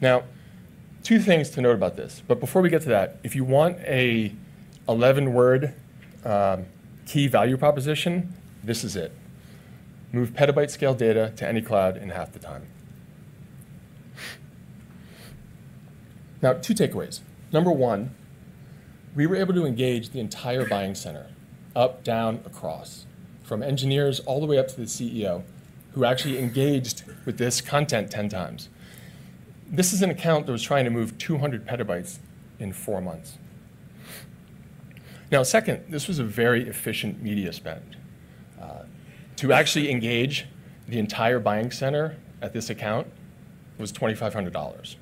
Now, two things to note about this. Before we get to that, if you want a 11-word key value proposition, this is it. Move petabyte scale data to any cloud in half the time. Now, two takeaways. Number one, we were able to engage the entire buying center up, down, across. From engineers all the way up to the CEO, who actually engaged with this content 10 times. This is an account that was trying to move 200 petabytes in four months. Now, second, this was a very efficient media spend. To actually engage the entire buying center at this account was $2,500.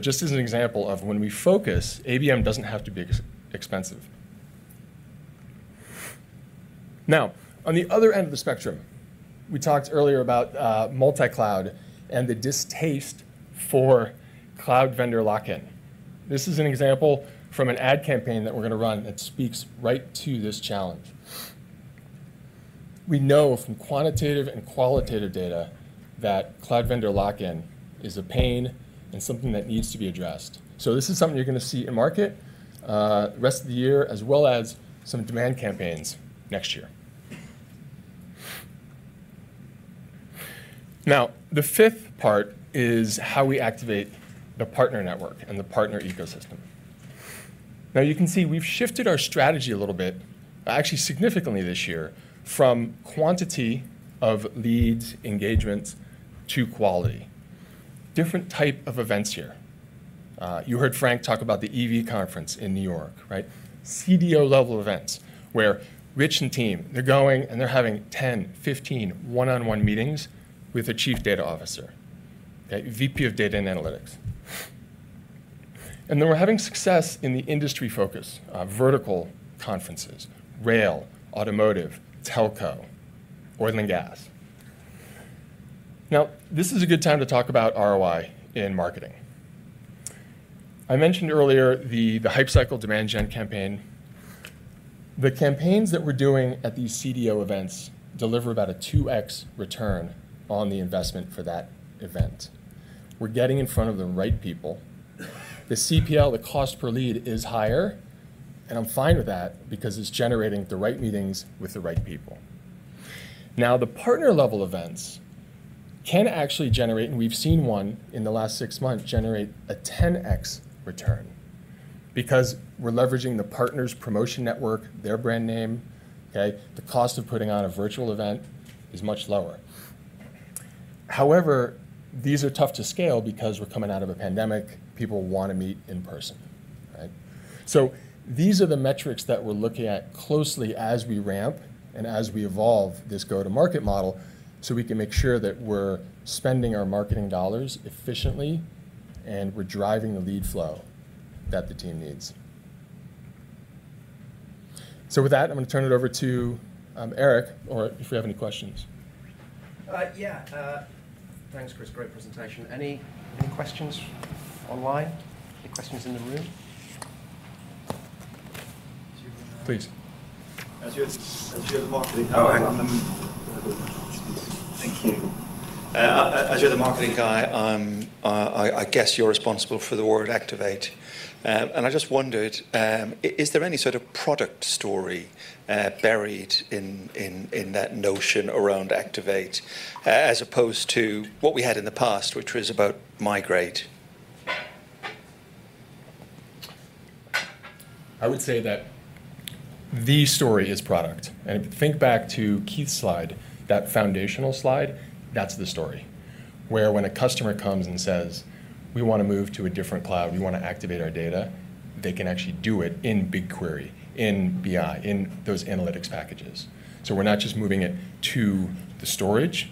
Just as an example of when we focus, ABM doesn't have to be expensive. Now, on the other end of the spectrum, we talked earlier about multi-cloud and the distaste for cloud vendor lock-in. This is an example from an ad campaign that we're gonna run that speaks right to this challenge. We know from quantitative and qualitative data that cloud vendor lock-in is a pain and something that needs to be addressed. This is something you're gonna see in market rest of the year, as well as some demand campaigns next year. Now, the fifth part is how we activate the partner network and the partner ecosystem. Now you can see we've shifted our strategy a little bit, actually significantly this year, from quantity of leads, engagement, to quality. Different type of events here. You heard Frank talk about the EV conference in New York, right? CDO-level events where Rich and team, they're going, and they're having 10, 15 one-on-one meetings with the chief data officer. Okay. VP of data and analytics. They were having success in the industry focus vertical conferences. Rail, automotive, telco, oil and gas. Now, this is a good time to talk about ROI in marketing. I mentioned earlier the Hype Cycle demand gen campaign. The campaigns that we're doing at these CDO events deliver about a 2x return on the investment for that event. We're getting in front of the right people. The CPL, the cost per lead, is higher, and I'm fine with that because it's generating the right meetings with the right people. Now, the partner-level events can actually generate, and we've seen one in the last six months, generate a 10x return because we're leveraging the partner's promotion network, their brand name. Okay? The cost of putting on a virtual event is much lower. However, these are tough to scale because we're coming out of a pandemic. People wanna meet in person. Right? These are the metrics that we're looking at closely as we ramp and as we evolve this go-to-market model, so we can make sure that we're spending our marketing dollars efficiently, and we're driving the lead flow that the team needs. With that, I'm gonna turn it over to Erik, or if we have any questions. Yeah. Thanks, Chris. Great presentation. Any questions online? Any questions in the room? Please. As you're the marketing guy, I guess you're responsible for the word activate. I just wondered, is there any sort of product story buried in that notion around activate as opposed to what we had in the past, which was about migrate? I would say that the story is product. Think back to Keith's slide, that foundational slide, that's the story. Where when a customer comes and says, "We wanna move to a different cloud, we wanna activate our data," they can actually do it in BigQuery, in BI, in those analytics packages. We're not just moving it to the storage,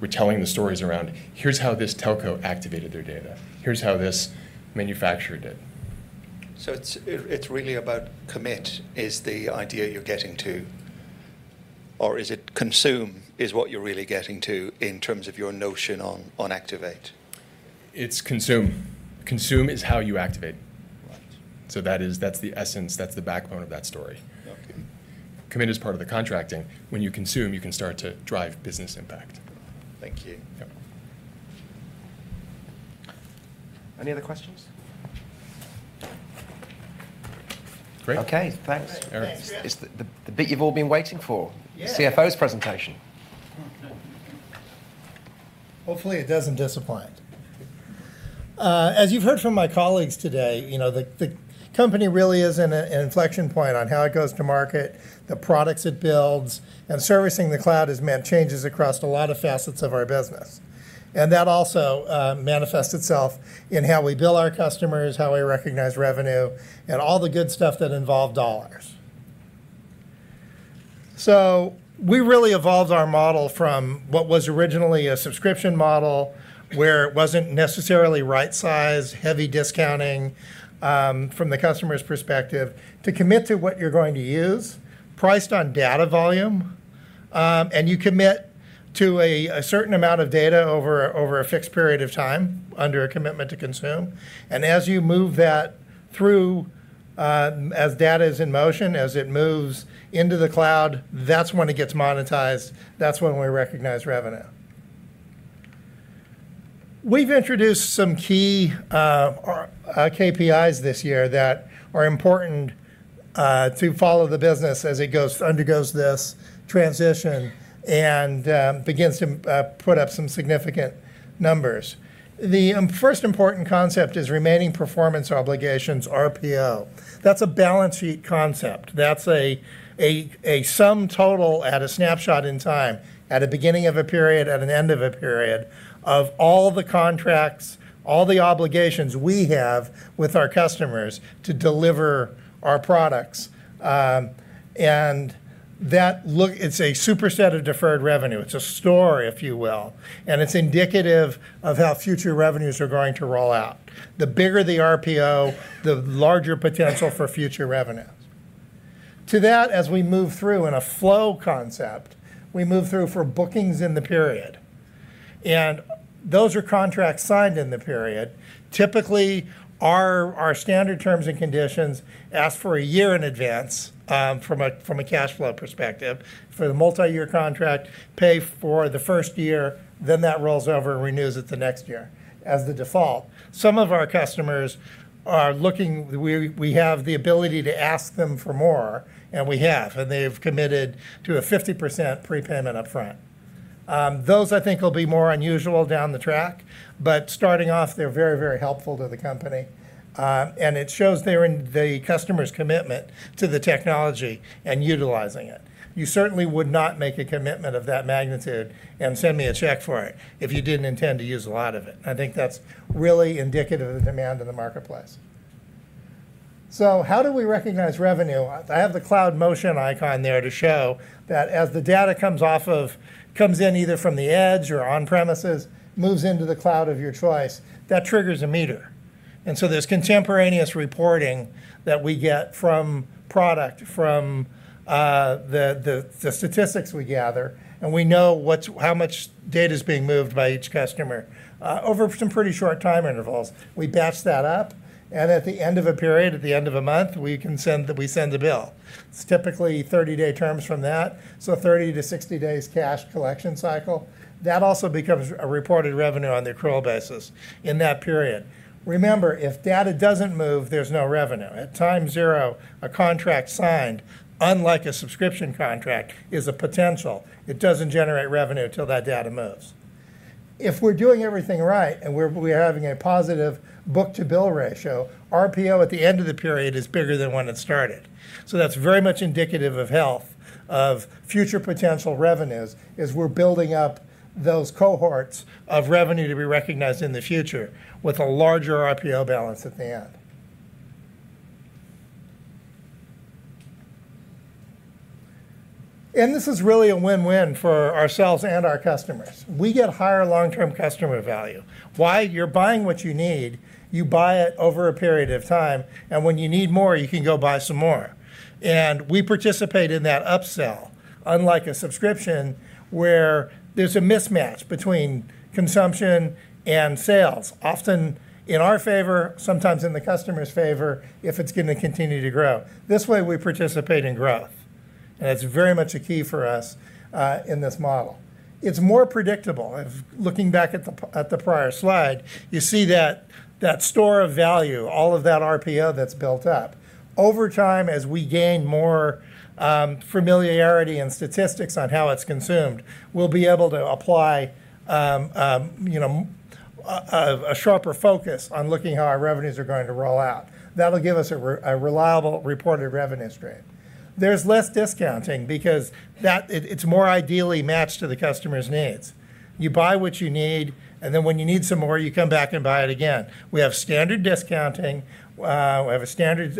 we're telling the stories around, "Here's how this telco activated their data. Here's how this manufacturer did. It's really about commit is the idea you're getting to. Is it consume is what you're really getting to in terms of your notion on activate? It's consume. Consume is how you activate. That is, that's the essence, that's the backbone of that story. Commit is part of the contracting. When you consume, you can start to drive business impact. Thank you. Yep. Any other questions? Great. Okay, thanks. Erik. It's the bit you've all been waiting for. Yeah. The CFO's presentation. Hopefully, it doesn't disappoint. As you've heard from my colleagues today, you know, the company really is in an inflection point on how it goes to market, the products it builds. Servicing the cloud has meant changes across a lot of facets of our business. That also manifests itself in how we bill our customers, how we recognize revenue, and all the good stuff that involve dollars. So, we really evolved our model from what was originally a subscription model, where it wasn't necessarily right size, heavy discounting from the customer's perspective, to commit to what you're going to use, priced on data volume, and you commit to a certain amount of data over a fixed period of time under a commitment to consume. As you move that through, as data's in motion, as it moves into the cloud, that's when it gets monetized. That's when we recognize revenue. We've introduced some key KPIs this year that are important to follow the business as it undergoes this transition and begins to put up some significant numbers. The first important concept is remaining performance obligations, RPO. That's a balance sheet concept. That's a sum total at a snapshot in time, at a beginning of a period, at an end of a period, of all the contracts, all the obligations we have with our customers to deliver our products. It's a superset of deferred revenue. It's a store, if you will. It's indicative of how future revenues are going to roll out. The bigger the RPO, the larger potential for future revenues. To that, as we move through in a flow concept, we move through for bookings in the period. Those are contracts signed in the period. Typically, our standard terms and conditions ask for a year in advance, from a cash flow perspective. For the multiyear contract, pay for the first year, then that rolls over and renews it the next year as the default. Some of our customers are looking. We have the ability to ask them for more, and we have, and they've committed to a 50% prepayment upfront. Those, I think, will be more unusual down the track, but starting off, they're very, very helpful to the company. It shows the customer's commitment to the technology and utilizing it. You certainly would not make a commitment of that magnitude and send me a check for it if you didn't intend to use a lot of it. I think that's really indicative of the demand in the marketplace. How do we recognize revenue? I have the cloud migration icon there to show that as the data comes in either from the edge or on premises, moves into the cloud of your choice that triggers a meter. There's contemporaneous reporting that we get from product, from the statistics we gather, and we know how much data is being moved by each customer over some pretty short time intervals. We batch that up, and at the end of a period, at the end of a month, we send a bill. It's typically 30-day terms from that, so 30-60 days cash collection cycle. That also becomes a reported revenue on the accrual basis in that period. Remember, if data doesn't move, there's no revenue. At time zero, a contract signed, unlike a subscription contract, is a potential. It doesn't generate revenue till that data moves. If we're doing everything right, and we're having a positive book-to-bill ratio, RPO at the end of the period is bigger than when it started. That's very much indicative of health, of future potential revenues as we're building up those cohorts of revenue to be recognized in the future with a larger RPO balance at the end. This is really a win-win for ourselves and our customers. We get higher long-term customer value. Why? You're buying what you need, you buy it over a period of time, and when you need more, you can go buy some more. We participate in that upsell, unlike a subscription where there's a mismatch between consumption and sales. Often in our favor, sometimes in the customer's favor, if it's going to continue to grow. This way, we participate in growth, and it's very much a key for us in this model. It's more predictable. If looking back at the prior slide, you see that store of value, all of that RPO that's built up. Over time, as we gain more familiarity and statistics on how it's consumed, we'll be able to apply you know, a sharper focus on looking how our revenues are going to roll out. That'll give us a reliable reported revenues rate. There's less discounting because it's more ideally matched to the customer's needs. You buy what you need, and then when you need some more, you come back and buy it again. We have standard discounting. We have a standard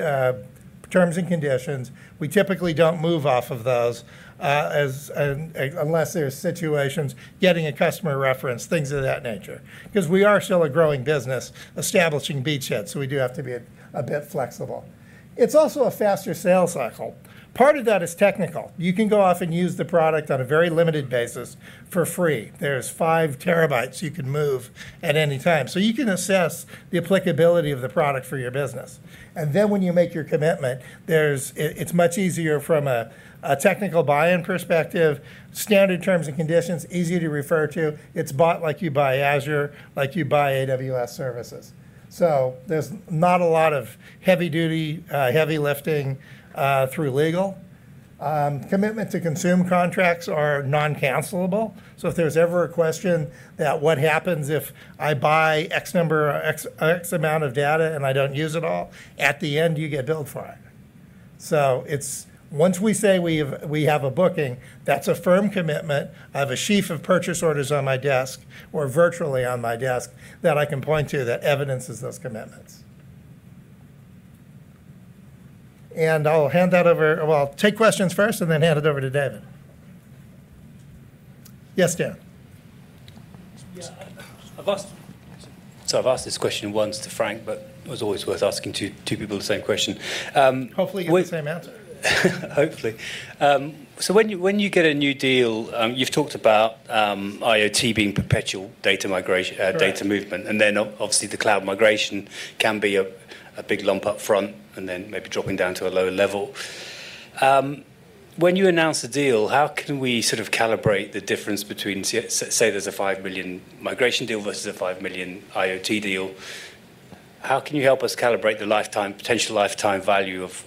terms and conditions. We typically don't move off of those unless there's situations, getting a customer reference, things of that nature. 'Cause we are still a growing business establishing beachheads, so we do have to be a bit flexible. It's also a faster sales cycle. Part of that is technical. You can go off and use the product on a very limited basis for free. There's 5 TB you can move at any time. So you can assess the applicability of the product for your business. When you make your commitment, it's much easier from a technical buy-in perspective, standard terms and conditions, easy to refer to. It's bought like you buy Azure, like you buy AWS services. There's not a lot of heavy duty heavy lifting through legal. Commit-to-consume contracts are non-cancelable. If there's ever a question that what happens if I buy X number or X amount of data and I don't use it all, at the end, you get billed for it. Once we say we have a booking, that's a firm commitment. I have a sheaf of purchase orders on my desk, or virtually on my desk, that I can point to that evidences those commitments. I'll hand that over. Well, I'll take questions first and then hand it over to David. Yes, David. Yeah. I've asked this question once to Frank, but it always worth asking two people the same question. Hopefully you get the same answer. Hopefully. When you get a new deal, you've talked about IoT being perpetual data migration. Data movement, and then obviously the cloud migration can be a big lump up front, and then maybe dropping down to a lower level. When you announce a deal, how can we sort of calibrate the difference between say there's a 5 million migration deal versus a 5 million IoT deal, how can you help us calibrate the lifetime, potential lifetime value of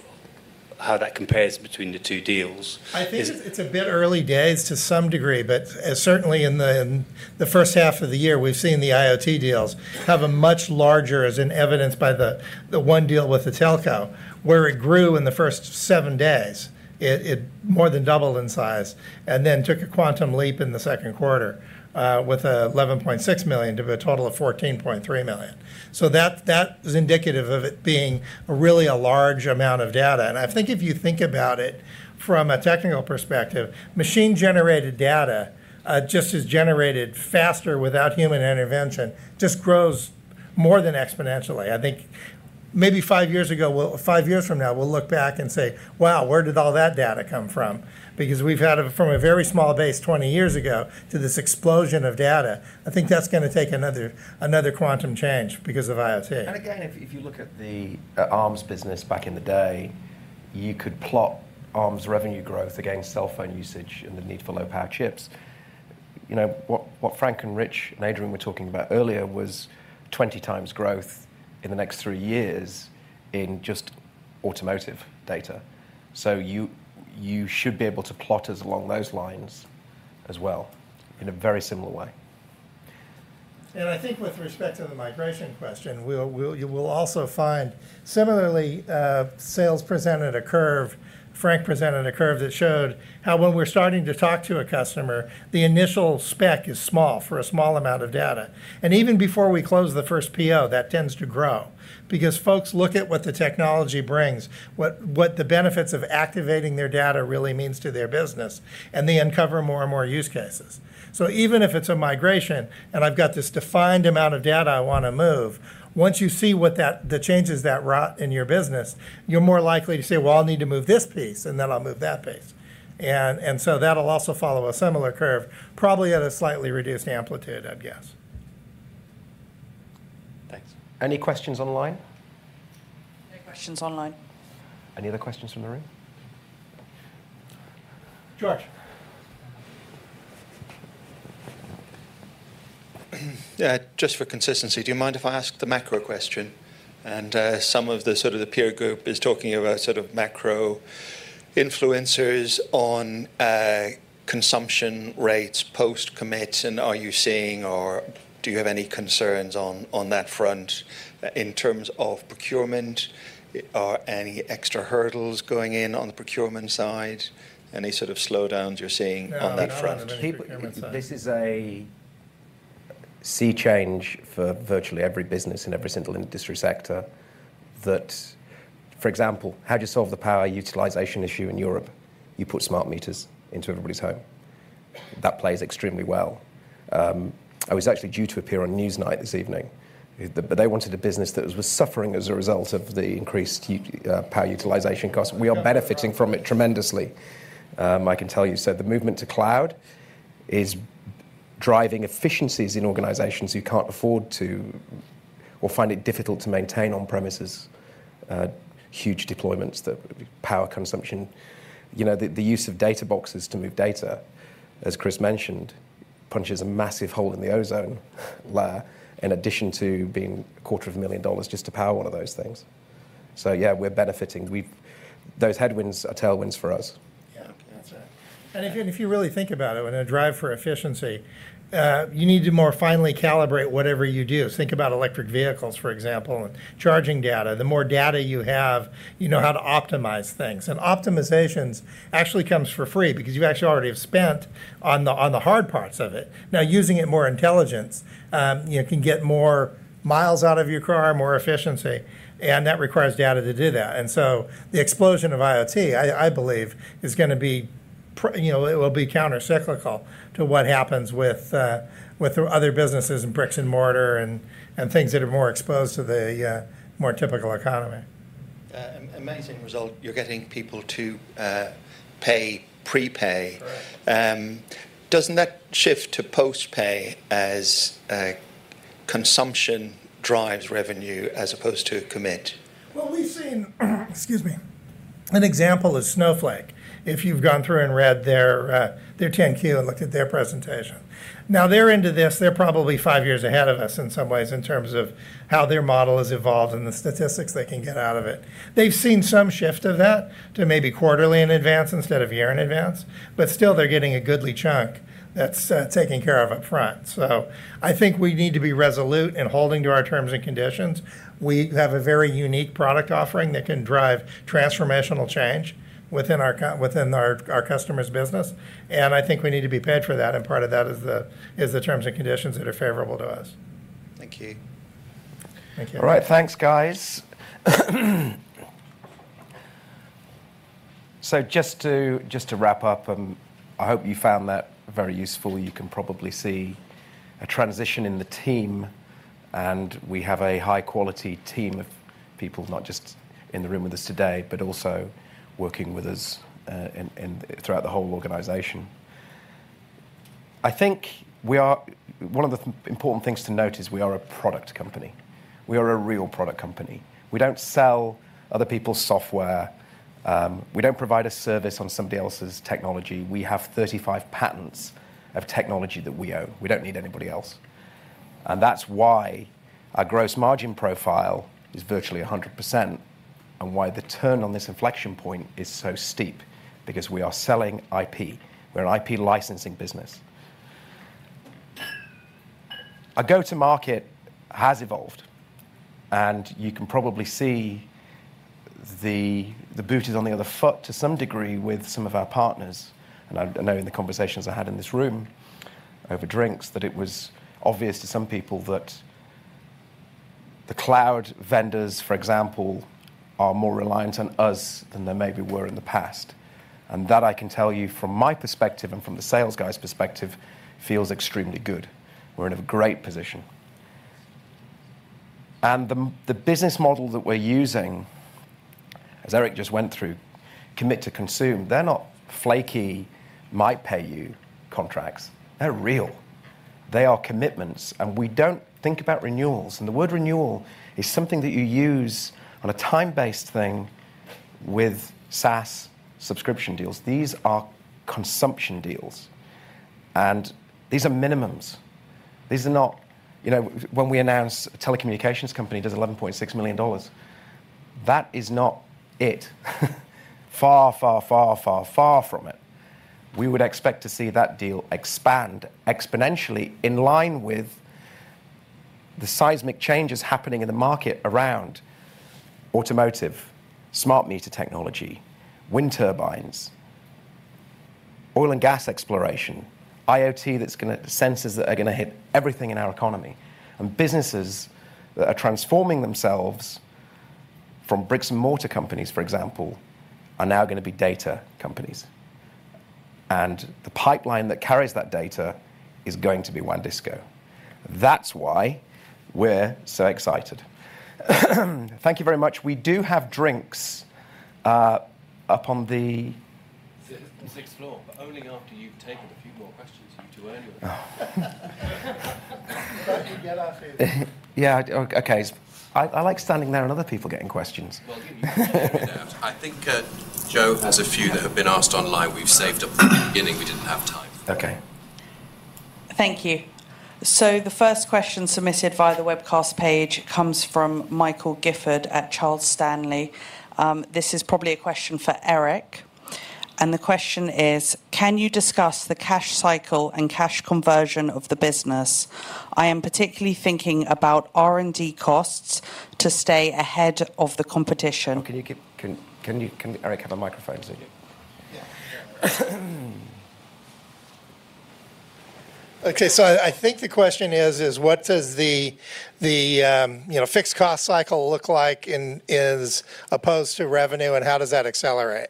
how that compares between the two deals? Is- I think it's a bit early days to some degree, but certainly in the first half of the year, we've seen the IoT deals have a much larger, as in evidenced by the one deal with the telco, where it grew in the first seven days. It more than doubled in size, and then took a quantum leap in the second quarter with 11.6 million-14.3 million. So that is indicative of it being really a large amount of data. I think if you think about it from a technical perspective, machine-generated data just is generated faster without human intervention, just grows more than exponentially. I think maybe 5 years ago, 5 years from now, we'll look back and say, "Wow, where did all that data come from?" Because we've had it from a very small base 20 years ago to this explosion of data. I think that's gonna take another quantum change because of IoT. Again, if you look at the Arm's business back in the day, you could plot Arm's revenue growth against cell phone usage and the need for low power chips. You know, what Frank and Rich and Adrian were talking about earlier was 20 times growth in the next three years in just automotive data. You should be able to plot us along those lines as well in a very similar way. I think with respect to the migration question, you will also find similarly, sales presented a curve, Frank presented a curve that showed how when we're starting to talk to a customer, the initial spec is small for a small amount of data. Even before we close the first PO, that tends to grow because folks look at what the technology brings, what the benefits of activating their data really means to their business, and they uncover more and more use cases. Even if it's a migration, and I've got this defined amount of data I wanna move, once you see the changes that wrought in your business, you're more likely to say, "Well, I'll need to move this piece, and then I'll move that piece." That'll also follow a similar curve, probably at a slightly reduced amplitude, I'd guess. Thanks. Any questions online? No questions online. Any other questions from the room? George. Yeah. Just for consistency, do you mind if I ask the macro question? Some of the sort of the peer group is talking about sort of macro influencers on consumption rates, post commits, and are you seeing or do you have any concerns on that front in terms of procurement? Are any extra hurdles going in on the procurement side? Any sort of slowdowns you're seeing on that front? No, not on any procurement side. This is a sea change for virtually every business in every single industry sector. For example, how do you solve the power utilization issue in Europe? You put smart meters into everybody's home. That plays extremely well. I was actually due to appear on Newsnight this evening but they wanted a business that was suffering as a result of the increased power utilization cost. We are benefiting from it tremendously. I can tell you. The movement to cloud is driving efficiencies in organizations who can't afford to or find it difficult to maintain on-premises huge deployments the power consumption. You know, the use of data boxes to move data, as Chris mentioned, punches a massive hole in the ozone layer in addition to being a quarter of a million dollars just to power one of those things. Yeah, we're benefiting. Those headwinds are tailwinds for us. Yeah. That's it. Again, if you really think about it, in a drive for efficiency, you need to more finely calibrate whatever you do. Think about electric vehicles, for example, and charging data. The more data you have, you know how to optimize things. Optimizations actually comes for free because you actually already have spent on the hard parts of it. Now, using it more intelligence, you know, can get more miles out of your car, more efficiency, and that requires data to do that. The explosion of IoT, I believe is gonna be you know, it will be countercyclical to what happens with other businesses and bricks and mortar and things that are more exposed to the more typical economy. Amazing result, you're getting people to pay prepay. Correct. Doesn't that shift to post pay as consumption drives revenue as opposed to commit? Well, we've seen, excuse me, an example is Snowflake. If you've gone through and read their 10-Q and looked at their presentation. Now, they're into this. They're probably five years ahead of us in some ways in terms of how their model has evolved and the statistics they can get out of it. They've seen some shift of that to maybe quarterly in advance instead of year in advance. Still they're getting a goodly chunk that's taken care of up front. I think we need to be resolute in holding to our terms and conditions. We have a very unique product offering that can drive transformational change within our customers' business, and I think we need to be paid for that, and part of that is the terms and conditions that are favorable to us. Thank you. Thank you. All right. Thanks, guys. Just to wrap up, I hope you found that very useful. You can probably see a transition in the team, and we have a high quality team of people, not just in the room with us today, but also working with us in throughout the whole organization. I think one of the important things to note is we are a product company. We are a real product company. We don't sell other people's software, we don't provide a service on somebody else's technology. We have 35 patents of technology that we own. We don't need anybody else. That's why our gross margin profile is virtually 100%, and why the turn on this inflection point is so steep, because we are selling IP. We're an IP licensing business. Our go-to market has evolved, and you can probably see the boot is on the other foot to some degree with some of our partners. I know in the conversations I had in this room over drinks, that it was obvious to some people that the cloud vendors. For example, are more reliant on us than they maybe were in the past. That I can tell you from my perspective and from the sales guys' perspective, feels extremely good. We're in a great position. The business model that we're using, as Erik just went through, commit to consume, they're not flaky, might pay you contracts. They're real. They are commitments, and we don't think about renewals. The word renewal is something that you use on a time-based thing with SaaS subscription deals. These are consumption deals. These are minimums. These are not. You know, when we announce a telecommunications company does $11.6 million, that is not it. Far from it. We would expect to see that deal expand exponentially in line with the seismic changes happening in the market around automotive, smart meter technology, wind turbines, oil and gas exploration, IoT sensors that are gonna hit everything in our economy. Businesses that are transforming themselves from bricks-and-mortar companies, for example, are now gonna be data companies. The pipeline that carries that data is going to be WANdisco. That's why we're so excited. Thank you very much. We do have drinks up on the Sixth floor, but only after you've taken a few more questions. You're too early. Get off it. Yeah, okay. I like standing there and other people getting questions. Well, I think Joe has a few that have been asked online. We've saved up from the beginning, we didn't have time. Okay. Thank you. The first question submitted via the webcast page comes from Michael Gifford at Charles Stanley. This is probably a question for Erik, and the question is: Can you discuss the cash cycle and cash conversion of the business? I am particularly thinking about R&D costs to stay ahead of the competition. Can Erik have a microphone, so you. Yeah. I think the question is what does the fixed cost cycle look like, as opposed to revenue, and how does that accelerate?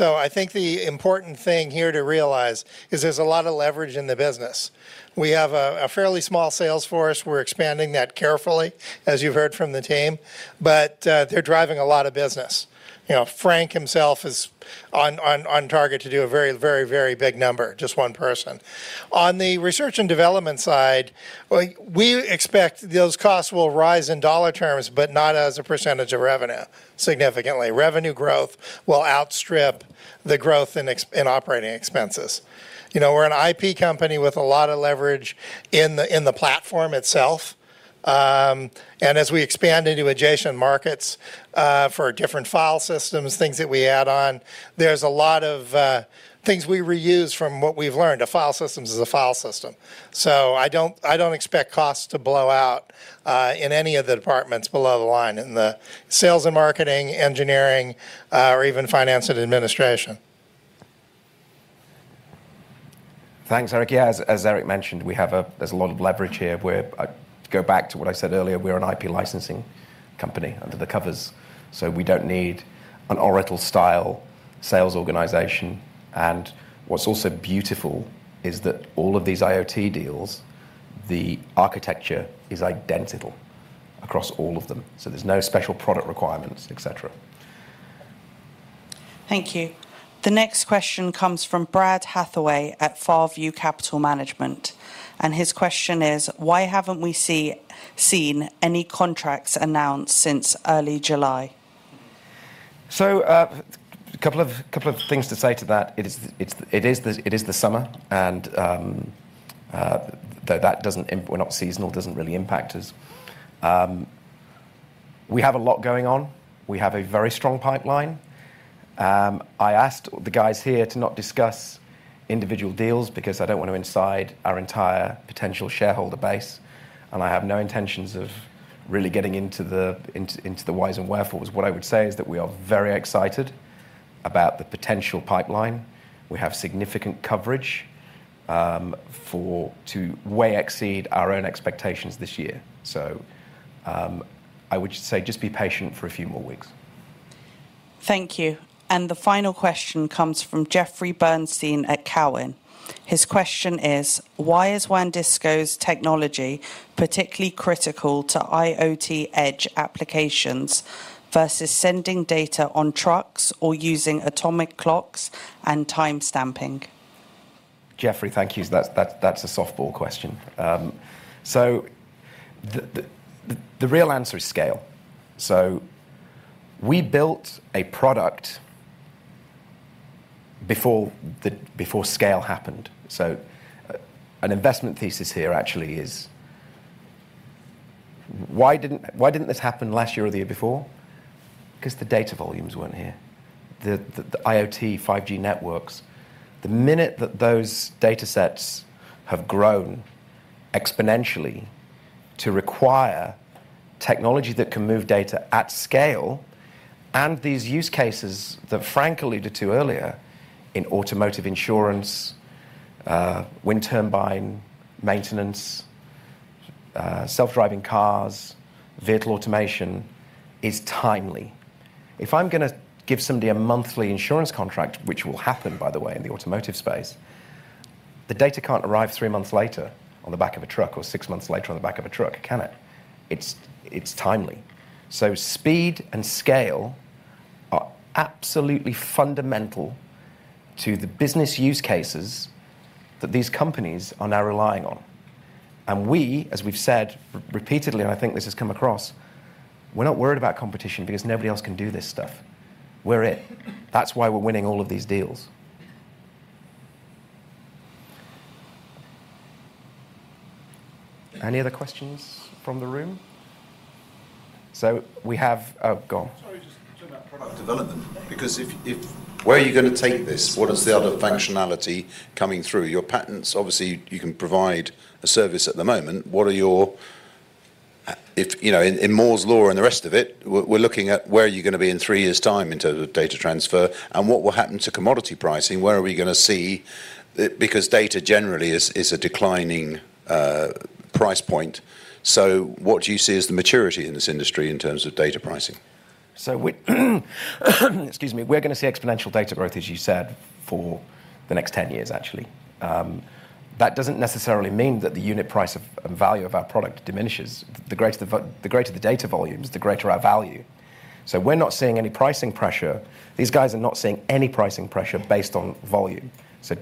I think the important thing here to realize is there's a lot of leverage in the business. We have a fairly small sales force. We're expanding that carefully, as you've heard from the team. They're driving a lot of business. Frank himself is on target to do a very big number, just one person. On the research and development side, we expect those costs will rise in dollar terms, but not as a percentage of revenue, significantly. Revenue growth will outstrip the growth in operating expenses. We're an IP company with a lot of leverage in the platform itself. As we expand into adjacent markets, for different file systems, things that we add on, there's a lot of things we reuse from what we've learned. A file system is a file system. I don't expect costs to blow out in any of the departments below the line in the sales and marketing, engineering, or even finance and administration. Thanks, Erik. Yeah, as Erik mentioned, there's a lot of leverage here, where I go back to what I said earlier, we're an IP licensing company under the covers, so we don't need an Oracle style sales organization. What's also beautiful is that all of these IoT deals the architecture is identical across all of them. There's no special product requirements, et cetera. Thank you. The next question comes from Brad Hathaway at Fairview Capital Management, and his question is, why haven't we seen any contracts announced since early July? A couple of things to say to that. It is the summer and though that doesn't impact. We're not seasonal, doesn't really impact us. We have a lot going on. We have a very strong pipeline. I asked the guys here to not discuss individual deals because I don't want to insider our entire potential shareholder base and I have no intentions of really getting into the whys and wherefores. What I would say is that we are very excited about the potential pipeline. We have significant coverage to way exceed our own expectations this year. I would just say be patient for a few more weeks. Thank you. The final question comes from Jeffrey Bernstein at Cowen. His question is, why is WANdisco's technology particularly critical to IoT edge applications versus sending data on trucks or using atomic clocks and timestamping? Jeffrey, thank you. That's a softball question. The real answer is scale. We built a product before scale happened. An investment thesis here actually is why didn't this happen last year or the year before? 'Cause the data volumes weren't here. The IoT 5G networks, the minute that those datasets have grown exponentially to require technology that can move data at scale and these use cases that Frank alluded to earlier in automotive insurance, wind turbine maintenance, self-driving cars, vehicle automation, is timely. If I'm gonna give somebody a monthly insurance contract, which will happen by the way in the automotive space, the data can't arrive three months later on the back of a truck or six months later on the back of a truck, can it? It's timely. Speed and scale are absolutely fundamental to the business use cases that these companies are now relying on. We, as we've said repeatedly, and I think this has come across, we're not worried about competition because nobody else can do this stuff. We're it. That's why we're winning all of these deals. Any other questions from the room? We have. Oh, go on. Sorry, just talking about product development, because where are you gonna take this? What is the other functionality coming through? Your patents, obviously you can provide a service at the moment. What are your, you know, in Moore's Law and the rest of it? We're looking at where are you gonna be in three years' time in terms of data transfer and what will happen to commodity pricing? Where are we gonna see? Because data generally is a declining price point. What do you see as the maturity in this industry in terms of data pricing? We're gonna see exponential data growth, as you said, for the next 10 years, actually. That doesn't necessarily mean that the unit price of value of our product diminishes. The greater the data volumes, the greater our value. We're not seeing any pricing pressure. These guys are not seeing any pricing pressure based on volume.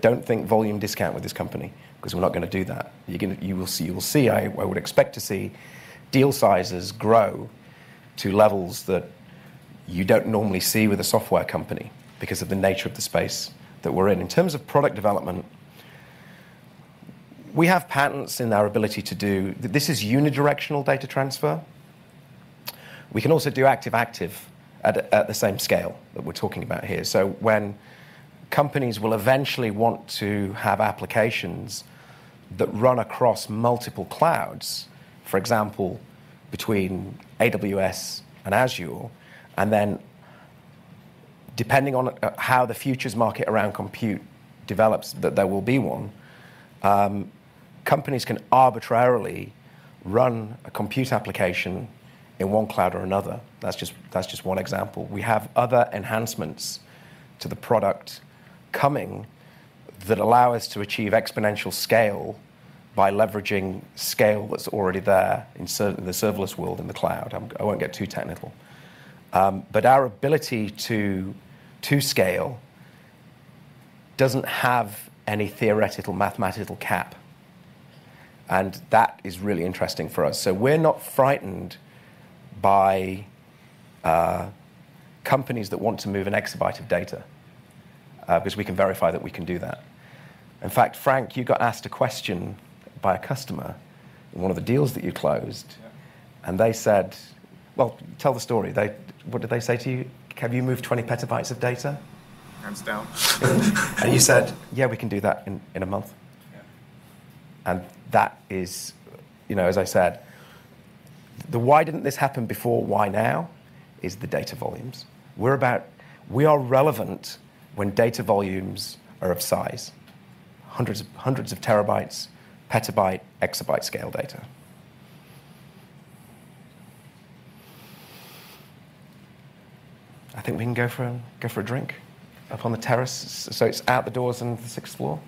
Don't think volume discount with this company 'cause we're not gonna do that. You will see. You will see, I would expect to see deal sizes grow to levels that you don't normally see with a software company because of the nature of the space that we're in. In terms of product development, we have patents in our ability to do this. This is unidirectional data transfer. We can also do active-active at the same scale that we're talking about here. When companies will eventually want to have applications that run across multiple clouds, for example, between AWS and Azure, and then depending on how the futures market around compute develops, that there will be one, companies can arbitrarily run a compute application in one cloud or another. That's just one example. We have other enhancements to the product coming that allow us to achieve exponential scale by leveraging scale that's already there in the serverless world in the cloud. I won't get too technical. But our ability to scale doesn't have any theoretical mathematical cap, and that is really interesting for us. We're not frightened by companies that want to move an exabyte of data because we can verify that we can do that. In fact, Frank, you got asked a question by a customer in one of the deals that you closed. They said, well, tell the story. WHat did they say to you? Can you move 20 petabytes of data? Hands down. You said, "Yeah, we can do that in a month. Yeah. That is, you know, as I said, the why didn't this happen before, why now, is the data volumes. We are relevant when data volumes are of size, hundreds of terabytes, petabyte, exabyte scale data. I think we can go for a drink up on the terrace. So it's out the doors on the sixth floor.